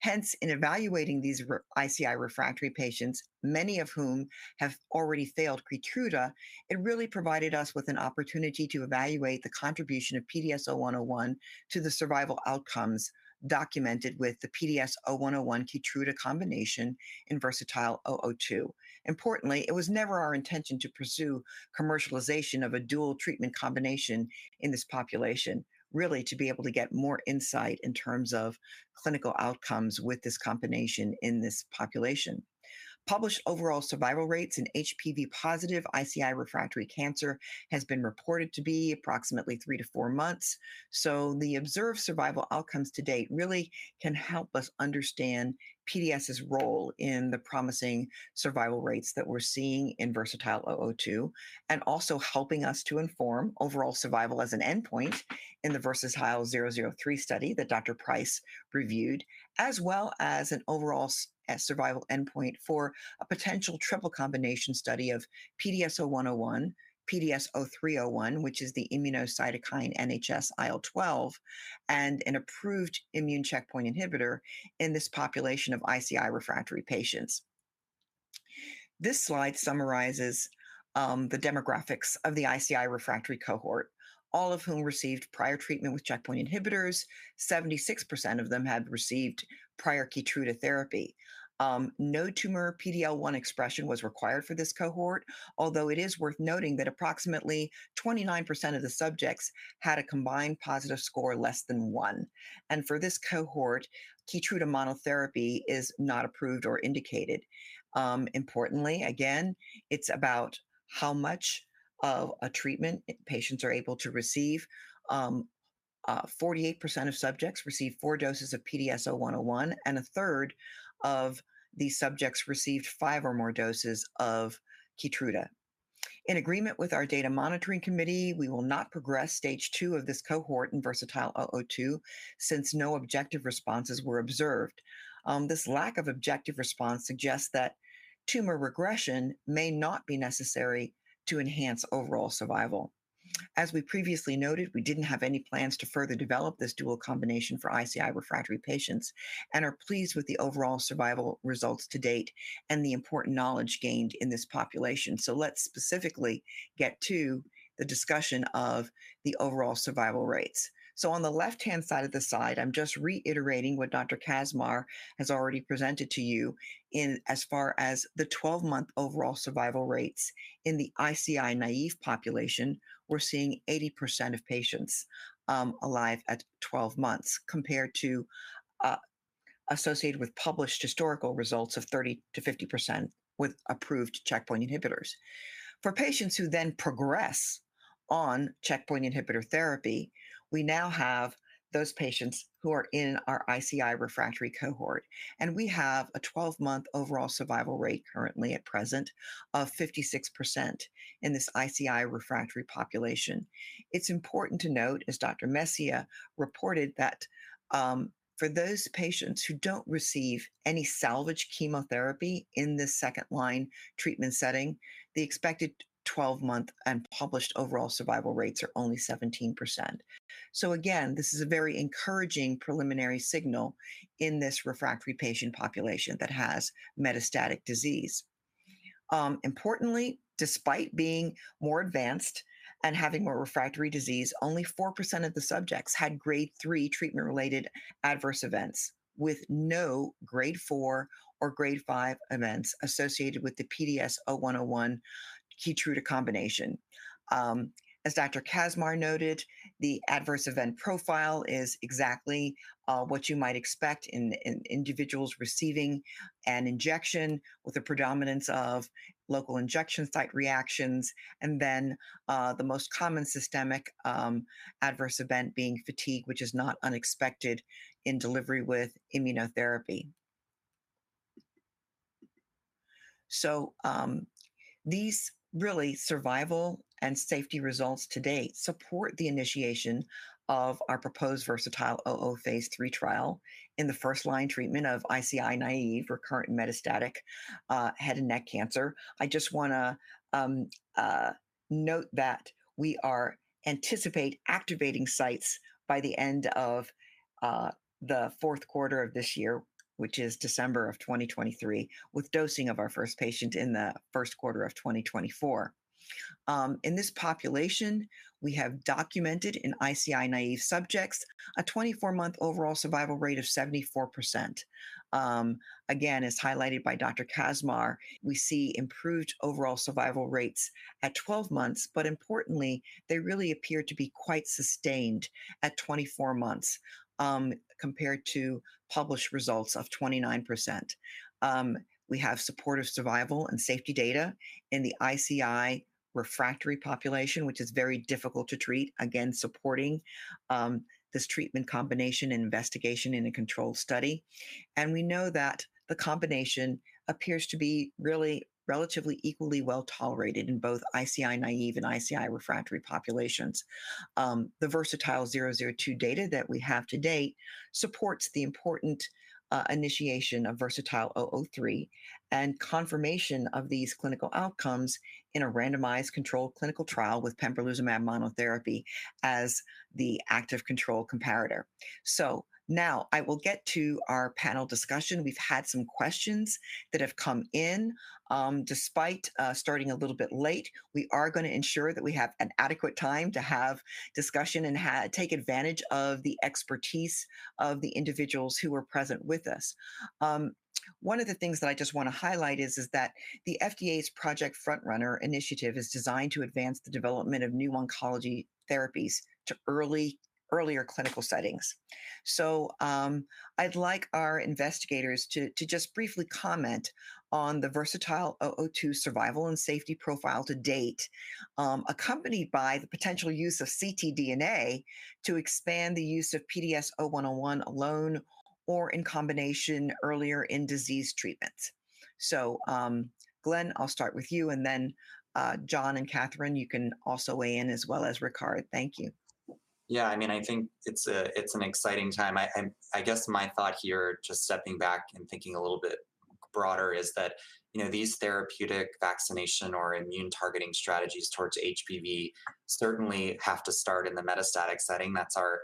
Hence, in evaluating these ICI-refractory patients, many of whom have already failed Keytruda, it really provided us with an opportunity to evaluate the contribution of PDS0101 to the survival outcomes documented with the PDS0101 Keytruda combination in VERSATILE-002. Importantly, it was never our intention to pursue commercialization of a dual treatment combination in this population, really to be able to get more insight in terms of clinical outcomes with this combination in this population. Published overall survival rates in HPV-positive ICI-refractory cancer has been reported to be approximately 3-4 months. So the observed survival outcomes to date really can help us understand PDS's role in the promising survival rates that we're seeing in VERSATILE-002, and also helping us to inform overall survival as an endpoint in the VERSATILE-003 study that Dr. Price reviewed, as well as an overall survival endpoint for a potential triple combination study of PDS0101, PDS0301, which is the immunocytokine NHS-IL12, and an approved immune checkpoint inhibitor in this population of ICI-refractory patients. This slide summarizes the demographics of the ICI-refractory cohort, all of whom received prior treatment with checkpoint inhibitors. 76% of them had received prior Keytruda therapy. No tumor PD-L1 expression was required for this cohort, although it is worth noting that approximately 29% of the subjects had a combined positive score less than 1. For this cohort, Keytruda monotherapy is not approved or indicated. Importantly, again, it's about how much of a treatment patients are able to receive. 48% of subjects received 4 doses of PDS0101, and a third of these subjects received 5 or more doses of Keytruda. In agreement with our data monitoring committee, we will not progress stage two of this cohort in VERSATILE-002 since no objective responses were observed. This lack of objective response suggests that tumor regression may not be necessary to enhance overall survival. As we previously noted, we didn't have any plans to further develop this dual combination for ICI-refractory patients and are pleased with the overall survival results to date and the important knowledge gained in this population. So let's specifically get to the discussion of the overall survival rates. So on the left-hand side of the slide, I'm just reiterating what Dr. Kaczmar has already presented to you in as far as the 12-month overall survival rates. In the ICI-naive population, we're seeing 80% of patients alive at 12 months, compared to associated with published historical results of 30%-50% with approved checkpoint inhibitors. For patients who then progress on checkpoint inhibitor therapy, we now have those patients who are in our ICI-refractory cohort, and we have a 12-month overall survival rate currently at present of 56% in this ICI-refractory population. It's important to note, as Dr. Mesía reported, that for those patients who don't receive any salvage chemotherapy in this second-line treatment setting, the expected twelve-month and published overall survival rates are only 17%. So again, this is a very encouraging preliminary signal in this refractory patient population that has metastatic disease. Importantly, despite being more advanced and having more refractory disease, only 4% of the subjects had Grade 3 treatment-related adverse events, with no Grade 4 or Grade 5 events associated with the PDS0101 Keytruda combination. As Dr. Kaczmar noted, the adverse event profile is exactly what you might expect in individuals receiving an injection with a predominance of local injection site reactions, and then the most common systemic adverse event being fatigue, which is not unexpected in delivery with immunotherapy. These really survival and safety results to date support the initiation of our proposed VERSATILE-003 trial in the first-line treatment of ICI-naive, recurrent metastatic, head and neck cancer. I just wanna note that we anticipate activating sites by the end of the fourth quarter of this year, which is December of 2023, with dosing of our first patient in the first quarter of 2024. In this population, we have documented in ICI-naive subjects a 24-month overall survival rate of 74%. Again, as highlighted by Dr. Kaczmar, we see improved overall survival rates at 12 months, but importantly, they really appear to be quite sustained at 24 months, compared to published results of 29%. We have supportive survival and safety data in the ICI-refractory population, which is very difficult to treat, again, supporting this treatment combination and investigation in a controlled study. We know that the combination appears to be really relatively equally well tolerated in both ICI-naive and ICI-refractory populations. The VERSATILE-002 data that we have to date supports the important initiation of VERSATILE-003 and confirmation of these clinical outcomes in a randomized controlled clinical trial with pembrolizumab monotherapy as the active control comparator. Now I will get to our panel discussion. We've had some questions that have come in. Despite starting a little bit late, we are gonna ensure that we have an adequate time to have discussion and take advantage of the expertise of the individuals who are present with us. One of the things that I just wanna highlight is that the FDA's Project FrontRunner initiative is designed to advance the development of new oncology therapies to earlier clinical settings. So, I'd like our investigators to just briefly comment on the VERSATILE-002 survival and safety profile to date, accompanied by the potential use of ctDNA to expand the use of PDS0101 alone or in combination earlier in disease treatment. So, Glenn, I'll start with you, and then, John and Katharine, you can also weigh in as well as Ricard. Thank you. Yeah, I mean, I think it's an exciting time. I guess my thought here, just stepping back and thinking a little bit broader, is that, you know, these therapeutic vaccination or immune targeting strategies towards HPV certainly have to start in the metastatic setting. That's our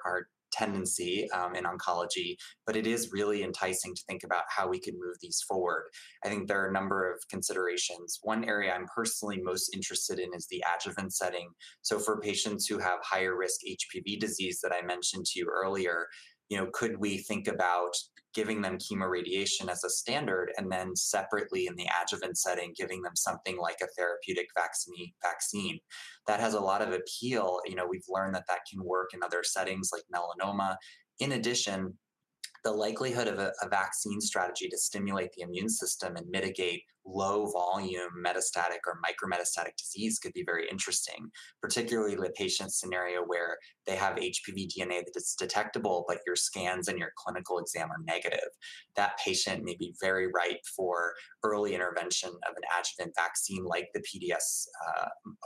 tendency in oncology, but it is really enticing to think about how we can move these forward. I think there are a number of considerations. One area I'm personally most interested in is the adjuvant setting. So for patients who have higher risk HPV disease that I mentioned to you earlier, you know, could we think about giving them chemoradiation as a standard, and then separately, in the adjuvant setting, giving them something like a therapeutic vaccine? That has a lot of appeal. You know, we've learned that that can work in other settings like melanoma. In addition, the likelihood of a vaccine strategy to stimulate the immune system and mitigate low-volume metastatic or micrometastatic disease could be very interesting, particularly in the patient scenario where they have HPV DNA that is detectable, but your scans and your clinical exam are negative. That patient may be very ripe for early intervention of an adjuvant vaccine, like the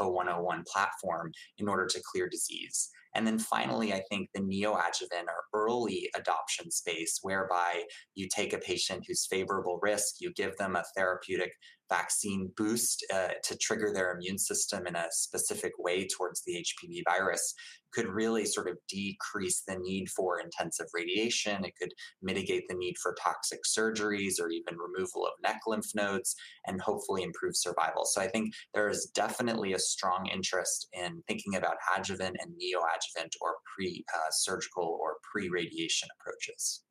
PDS0101 platform, in order to clear disease. And then finally, I think the neoadjuvant or early adoption space, whereby you take a patient who's favorable risk, you give them a therapeutic vaccine boost, to trigger their immune system in a specific way towards the HPV virus, could really sort of decrease the need for intensive radiation. It could mitigate the need for toxic surgeries or even removal of neck lymph nodes and hopefully improve survival. So I think there is definitely a strong interest in thinking about adjuvant and neoadjuvant or pre-surgical or pre-radiation approaches.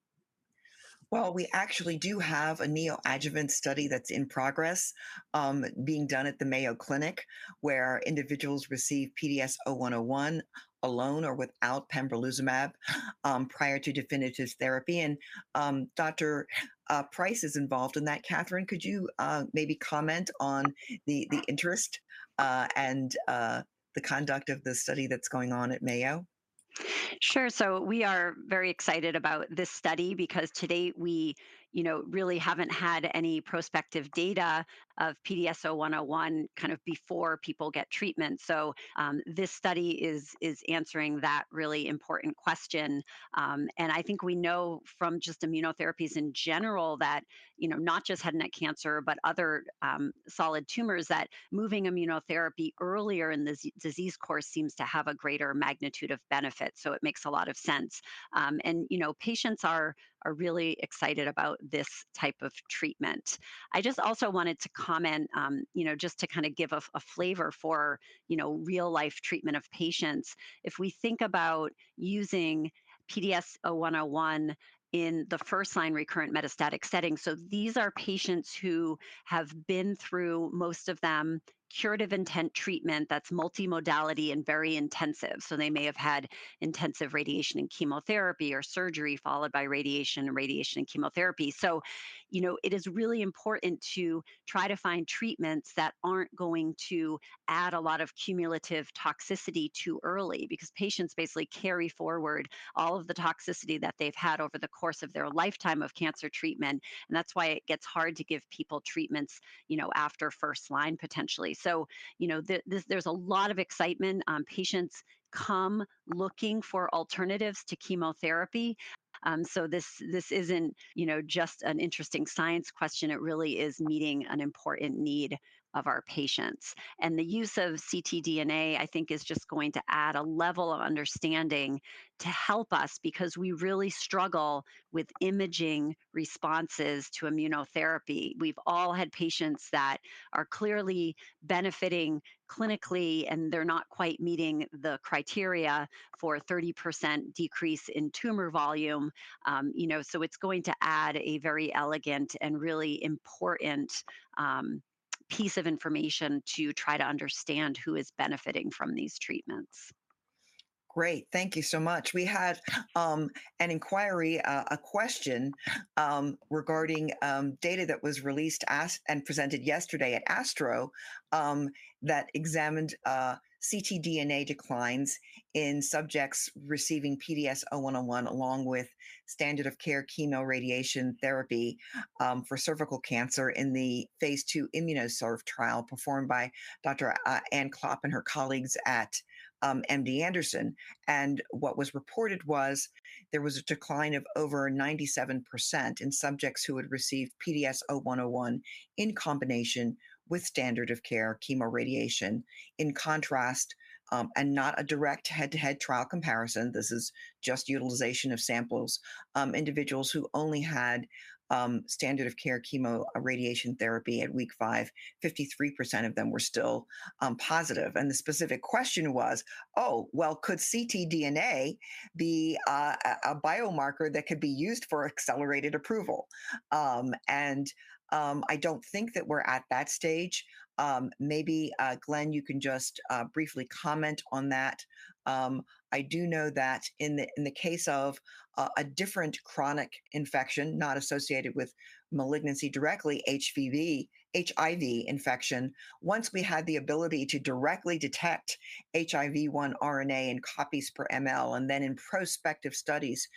Well, we actually do have a neoadjuvant study that's in progress, being done at the Mayo Clinic, where individuals receive PDS0101 alone or without pembrolizumab, prior to definitive therapy. Dr. Price is involved in that. Katharine, could you maybe comment on the interest and the conduct of the study that's going on at Mayo? Sure. So we are very excited about this study because to date, we, you know, really haven't had any prospective data of PDS0101 kind of before people get treatment. So, this study is answering that really important question. And I think we know from just immunotherapies in general that, you know, not just head and neck cancer, but other, solid tumors, that moving immunotherapy earlier in this disease course seems to have a greater magnitude of benefit, so it makes a lot of sense. And, you know, patients are really excited about this type of treatment. I just also wanted to comment, you know, just to kind of give a flavor for, you know, real-life treatment of patients. If we think about using PDS0101 in the first-line recurrent metastatic setting, so these are patients who have been through, most of them, curative intent treatment that's multimodality and very intensive. So they may have had intensive radiation and chemotherapy or surgery followed by radiation, and radiation and chemotherapy. So, you know, it is really important to try to find treatments that aren't going to add a lot of cumulative toxicity too early because patients basically carry forward all of the toxicity that they've had over the course of their lifetime of cancer treatment, and that's why it gets hard to give people treatments, you know, after first line, potentially. So, you know, there's a lot of excitement. Patients come looking for alternatives to chemotherapy. So this isn't, you know, just an interesting science question. It really is meeting an important need of our patients. The use of ctDNA, I think, is just going to add a level of understanding to help us because we really struggle with imaging responses to immunotherapy. We've all had patients that are clearly benefiting clinically, and they're not quite meeting the criteria for a 30% decrease in tumor volume. You know, so it's going to add a very elegant and really important piece of information to try to understand who is benefiting from these treatments. Great. Thank you so much. We had an inquiry, a question, regarding data that was released and presented yesterday at ASTRO, that examined ctDNA declines in subjects receiving PDS0101, along with standard of care chemoradiation therapy, for cervical cancer in the phase II IMMUNOSERV trial performed by Dr. Ann Klopp and her colleagues at MD Anderson. And what was reported was there was a decline of over 97% in subjects who had received PDS0101 in combination with standard of care chemoradiation. In contrast, and not a direct head-to-head trial comparison, this is just utilization of samples, individuals who only had standard of care chemoradiation therapy at week 5, 53% of them were still positive. The specific question was: "Oh, well, could ctDNA be a biomarker that could be used for accelerated approval?" I don't think that we're at that stage. Maybe Glenn, you can just briefly comment on that. I do know that in the case of a different chronic infection, not associated with malignancy directly, HPV, HIV infection. Once we had the ability to directly detect HIV-1 RNA in copies per ml, and then in prospective studies,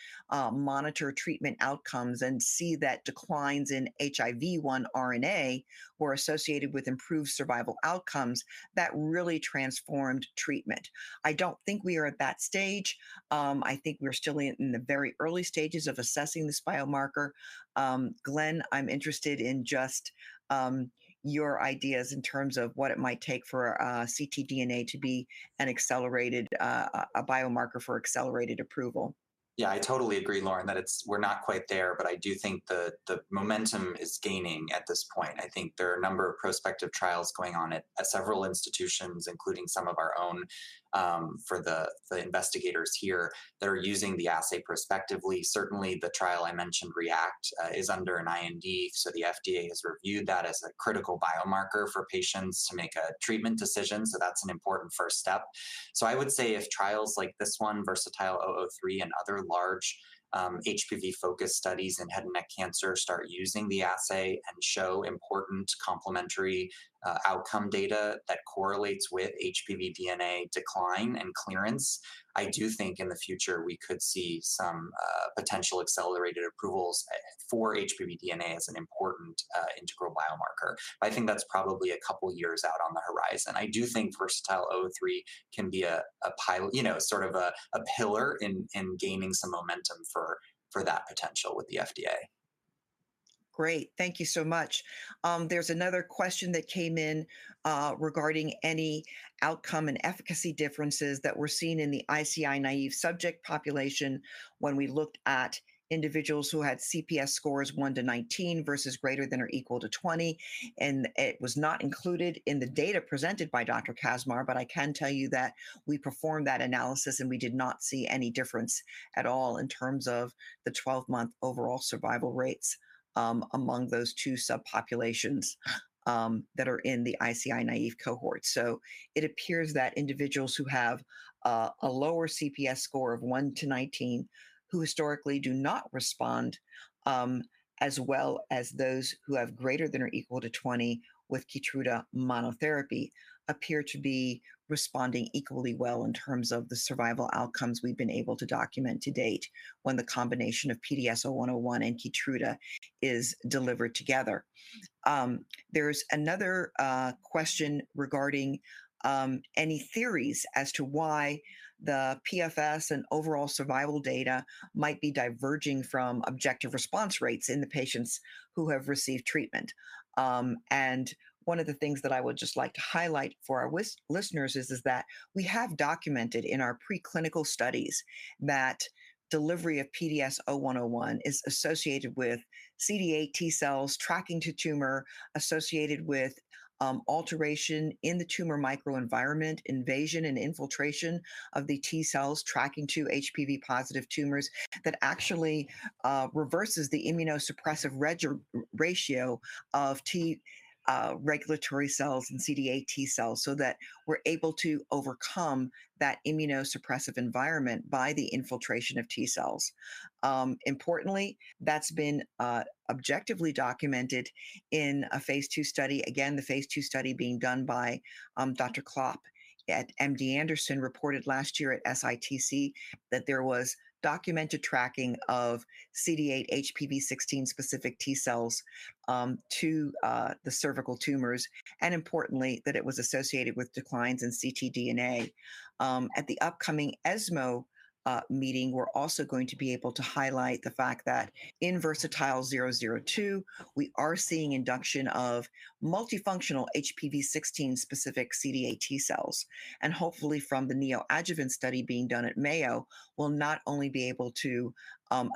monitor treatment outcomes and see that declines in HIV-1 RNA were associated with improved survival outcomes, that really transformed treatment. I don't think we are at that stage. I think we're still in the very early stages of assessing this biomarker. Glenn, I'm interested in just your ideas in terms of what it might take for ctDNA to be a biomarker for accelerated approval. Yeah, I totally agree, Lauren, that it's- we're not quite there, but I do think the, the momentum is gaining at this point. I think there are a number of prospective trials going on at, at several institutions, including some of our own, for the, the investigators here, that are using the assay prospectively. Certainly, the trial I mentioned, REACT, is under an IND, so the FDA has reviewed that as a critical biomarker for patients to make a treatment decision. So that's an important first step. So I would say if trials like this one, VERSATILE-003, and other large, HPV-focused studies in head and neck cancer start using the assay and show important complementary, outcome data that correlates with HPV DNA decline and clearance, I do think in the future, we could see some, potential accelerated approvals for HPV DNA as an important, integral biomarker. But I think that's probably a couple of years out on the horizon. I do think VERSATILE-003 can be a, you know, sort of a, pillar in, gaining some momentum for, that potential with the FDA. Great. Thank you so much. There's another question that came in, regarding any outcome and efficacy differences that were seen in the ICI-naïve subject population when we looked at individuals who had CPS scores 1-19 versus greater than or equal to 20, and it was not included in the data presented by Dr. Kaczmar, but I can tell you that we performed that analysis, and we did not see any difference at all in terms of the 12-month overall survival rates, among those two subpopulations, that are in the ICI-naïve cohort. It appears that individuals who have a lower CPS score of 1-19, who historically do not respond as well as those who have greater than or equal to 20 with Keytruda monotherapy, appear to be responding equally well in terms of the survival outcomes we've been able to document to date when the combination of PDS0101 and Keytruda is delivered together. There's another question regarding any theories as to why the PFS and overall survival data might be diverging from objective response rates in the patients who have received treatment. One of the things that I would just like to highlight for our listeners is that we have documented in our preclinical studies that delivery of PDS0101 is associated with CD8 T cells tracking to tumor, associated with alteration in the tumor microenvironment, invasion and infiltration of the T cells, tracking to HPV positive tumors, that actually reverses the immunosuppressive ratio of T regulatory cells and CD8 T cells, so that we're able to overcome that immunosuppressive environment by the infiltration of T cells. Importantly, that's been objectively documented in a phase II study. Again, the phase II study being done by Dr. Klopp at MD Anderson reported last year at SITC that there was documented tracking of CD8 HPV-16 specific T cells to the cervical tumors, and importantly, that it was associated with declines in ctDNA. At the upcoming ESMO meeting, we're also going to be able to highlight the fact that in VERSATILE-002, we are seeing induction of multifunctional HPV-16 specific CD8 T cells. And hopefully, from the neoadjuvant study being done at Mayo, we'll not only be able to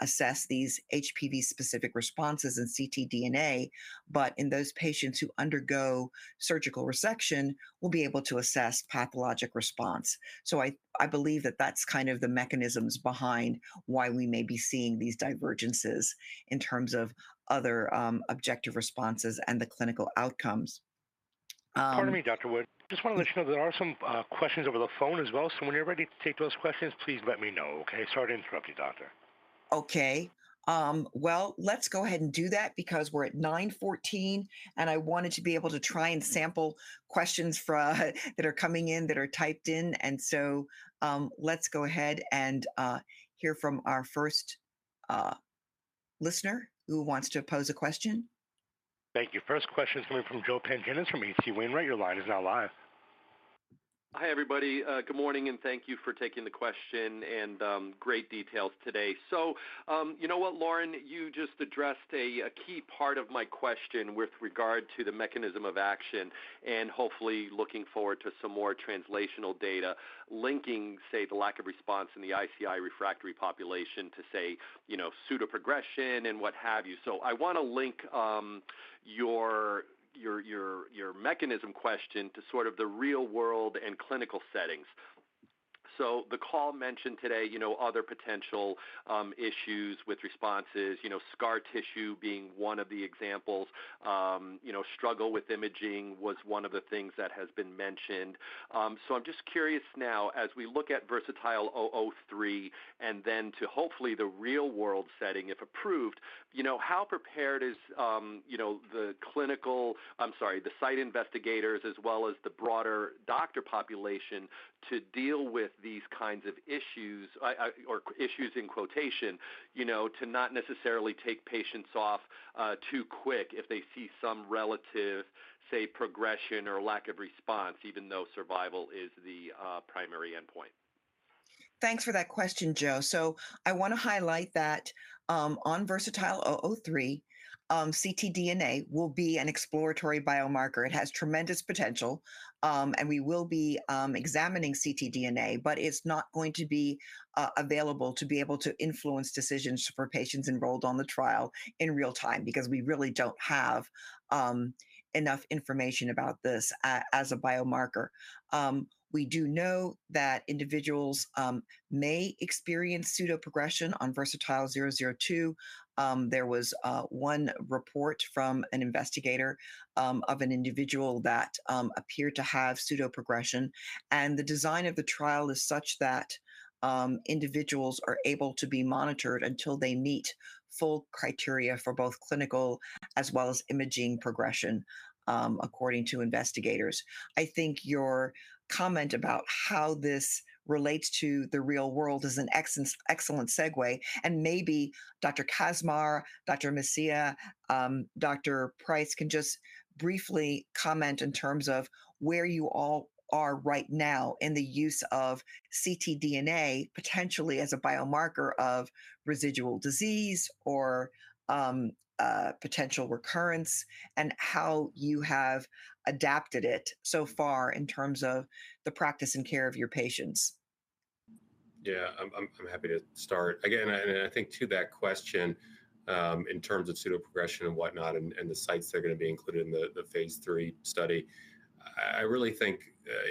assess these HPV-specific responses in ctDNA, but in those patients who undergo surgical resection, we'll be able to assess pathologic response. So I believe that that's kind of the mechanisms behind why we may be seeing these divergences in terms of other objective responses and the clinical outcomes. Pardon me, Dr. Wood. Just want to let you know there are some questions over the phone as well, so when you're ready to take those questions, please let me know, okay? Sorry to interrupt you, doctor. Okay. Well, let's go ahead and do that because we're at 9:14, and I wanted to be able to try and sample questions from that are coming in, that are typed in. So, let's go ahead and hear from our first listener who wants to pose a question. Thank you. First question is coming from Joe Pantginis from H.C. Wainwright. Your line is now live. Hi, everybody. Good morning, and thank you for taking the question and great details today. So, you know what, Lauren? You just addressed a key part of my question with regard to the mechanism of action, and hopefully, looking forward to some more translational data, linking, say, the lack of response in the ICI-refractory population to say, you know, pseudoprogression and what have you. So I want to link your mechanism question to sort of the real world and clinical settings. So the call mentioned today, you know, other potential issues with responses, you know, scar tissue being one of the examples. You know, struggle with imaging was one of the things that has been mentioned. So I'm just curious now, as we look at VERSATILE-003, and then to hopefully the real-world setting, if approved, you know, how prepared is, you know, the clinical—I'm sorry, the site investigators as well as the broader doctor population to deal with these kinds of issues, or issues in quotation, you know, to not necessarily take patients off too quick if they see some relative, say, progression or lack of response, even though survival is the primary endpoint? Thanks for that question, Joe. So I wanna highlight that, on VERSATILE-003, ctDNA will be an exploratory biomarker. It has tremendous potential, and we will be examining ctDNA, but it's not going to be available to be able to influence decisions for patients enrolled on the trial in real time, because we really don't have enough information about this as a biomarker. We do know that individuals may experience pseudoprogression on VERSATILE-002. There was one report from an investigator of an individual that appeared to have pseudoprogression, and the design of the trial is such that individuals are able to be monitored until they meet full criteria for both clinical as well as imaging progression, according to investigators. I think your comment about how this relates to the real world is an excellent segue, and maybe Dr. Kaczmar, Dr. Mesía, Dr. Price can just briefly comment in terms of where you all are right now in the use of ctDNA, potentially as a biomarker of residual disease or potential recurrence, and how you have adapted it so far in terms of the practice and care of your patients. Yeah, I'm happy to start. Again, and I think to that question, in terms of pseudoprogression and whatnot, and the sites that are gonna be included in the phase III study, I really think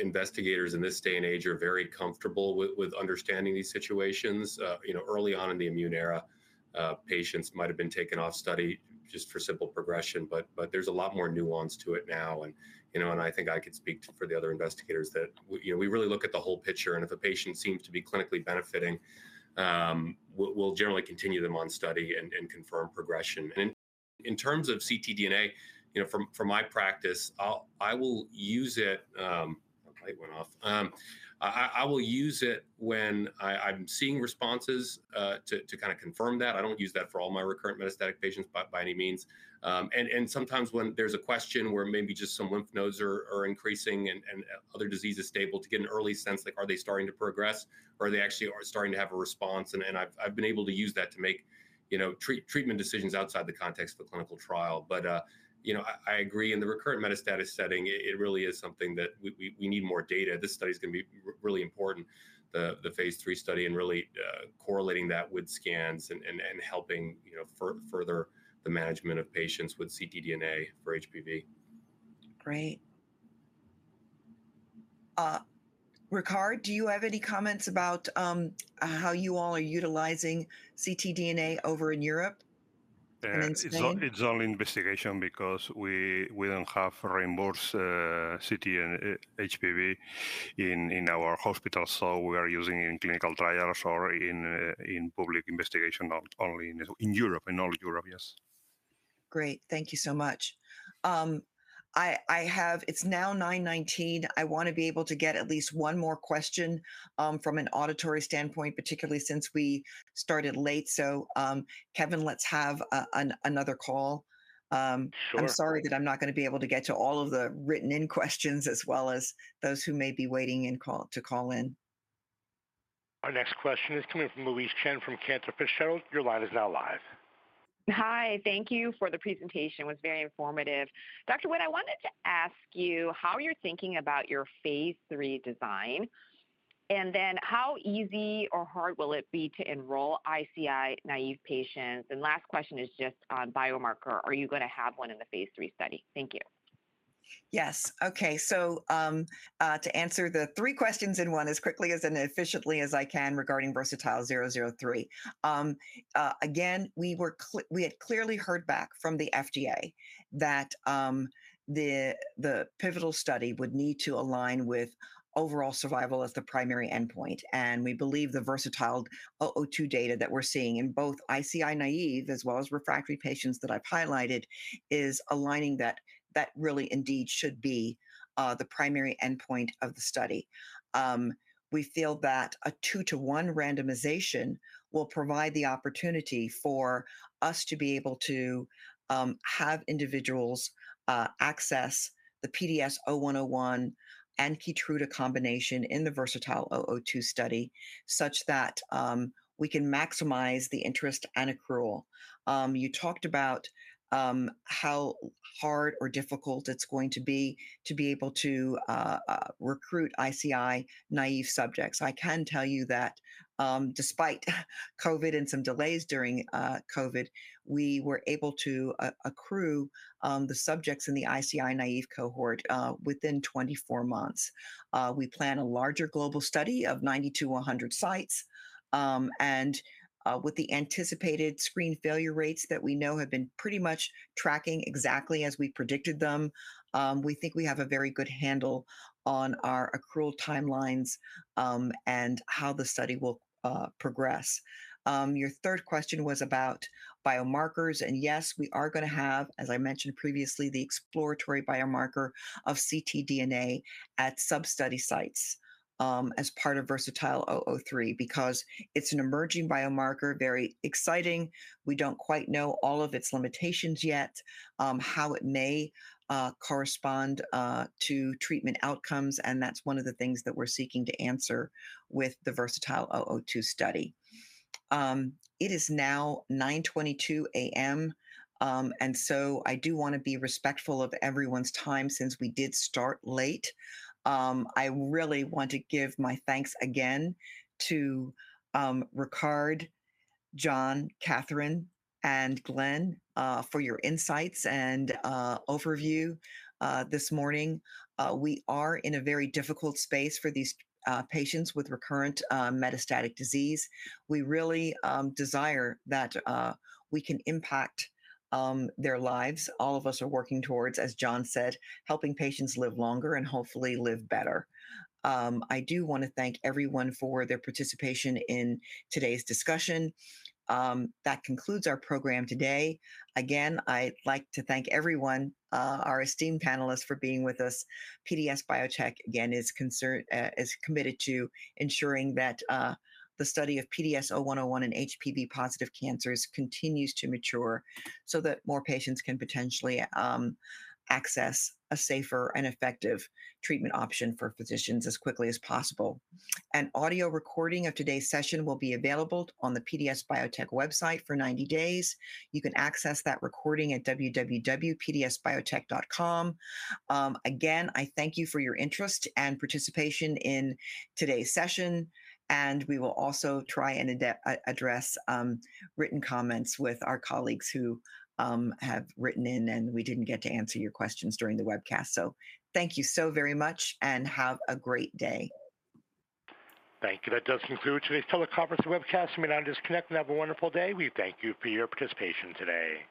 investigators in this day and age are very comfortable with understanding these situations. You know, early on in the immune era, patients might have been taken off study just for simple progression, but there's a lot more nuance to it now. And, you know, and I think I can speak for the other investigators that, you know, we really look at the whole picture, and if a patient seems to be clinically benefiting, we'll generally continue them on study and confirm progression. And in terms of ctDNA, you know, from my practice, I'll use it. My light went off. I will use it when I'm seeing responses to kind of confirm that. I don't use that for all my recurrent metastatic patients by any means. And sometimes when there's a question where maybe just some lymph nodes are increasing and other diseases stable, to get an early sense, like, are they starting to progress, or are they actually starting to have a response? And I've been able to use that to make, you know, treatment decisions outside the context of a clinical trial. But you know, I agree, in the recurrent metastatic setting, it really is something that we need more data. This study is gonna be really important, the phase III study, in really correlating that with scans and helping, you know, further the management of patients with ctDNA for HPV. Great. Ricard, do you have any comments about how you all are utilizing ctDNA over in Europe, and in Spain? It's on investigation because we don't have reimbursed ct and HPV in our hospital, so we are using in clinical trials or in public investigation, not only in Europe, in all Europe, yes. Great. Thank you so much. I have—it's now 9:19. I wanna be able to get at least one more question from an audience standpoint, particularly since we started late. So, Kevin, let's have another call. Sure. I'm sorry that I'm not gonna be able to get to all of the written-in questions as well as those who may be waiting to call in. Our next question is coming from Louise Chen from Cantor Fitzgerald. Your line is now live. Hi. Thank you for the presentation, it was very informative. Dr. Wood, I wanted to ask you how you're thinking about your phase III design, and then how easy or hard will it be to enroll ICI-naïve patients? Last question is just on biomarker: Are you gonna have one in the phase III study? Thank you. Yes. Okay, so, to answer the three questions in one as quickly and as efficiently as I can regarding VERSATILE-003. Again, we had clearly heard back from the FDA that the pivotal study would need to align with overall survival as the primary endpoint, and we believe the VERSATILE-002 data that we're seeing in both ICI-naïve as well as refractory patients that I've highlighted is aligning that really indeed should be the primary endpoint of the study. We feel that a 2-to-1 randomization will provide the opportunity for us to be able to have individuals access the PDS0101 and Keytruda combination in the VERSATILE-002 study, such that we can maximize the interest and accrual. You talked about how hard or difficult it's going to be to be able to recruit ICI-naïve subjects. I can tell you that, despite COVID and some delays during COVID, we were able to accrue the subjects in the ICI-naïve cohort within 24 months. We plan a larger global study of 90-100 sites, and with the anticipated screen failure rates that we know have been pretty much tracking exactly as we predicted them, we think we have a very good handle on our accrual timelines, and how the study will progress. Your third question was about biomarkers, and yes, we are gonna have, as I mentioned previously, the exploratory biomarker of ctDNA at sub-study sites, as part of VERSATILE-003, because it's an emerging biomarker, very exciting. We don't quite know all of its limitations yet, how it may correspond to treatment outcomes, and that's one of the things that we're seeking to answer with the VERSATILE-002 study. It is now 9:22 A.M., and so I do want to be respectful of everyone's time since we did start late. I really want to give my thanks again to Ricard, John, Katharine, and Glenn for your insights and overview this morning. We are in a very difficult space for these patients with recurrent metastatic disease. We really desire that we can impact their lives. All of us are working towards, as John said, helping patients live longer and hopefully live better. I do want to thank everyone for their participation in today's discussion. That concludes our program today. Again, I'd like to thank everyone, our esteemed panelists, for being with us. PDS Biotech, again, is committed to ensuring that the study of PDS0101 and HPV positive cancers continues to mature so that more patients can potentially access a safer and effective treatment option for physicians as quickly as possible. An audio recording of today's session will be available on the PDS Biotech website for 90 days. You can access that recording at www.pdsbiotech.com. Again, I thank you for your interest and participation in today's session, and we will also try and address written comments with our colleagues who have written in, and we didn't get to answer your questions during the webcast. So thank you so very much, and have a great day. Thank you. That does conclude today's teleconference webcast. You may now disconnect and have a wonderful day. We thank you for your participation today.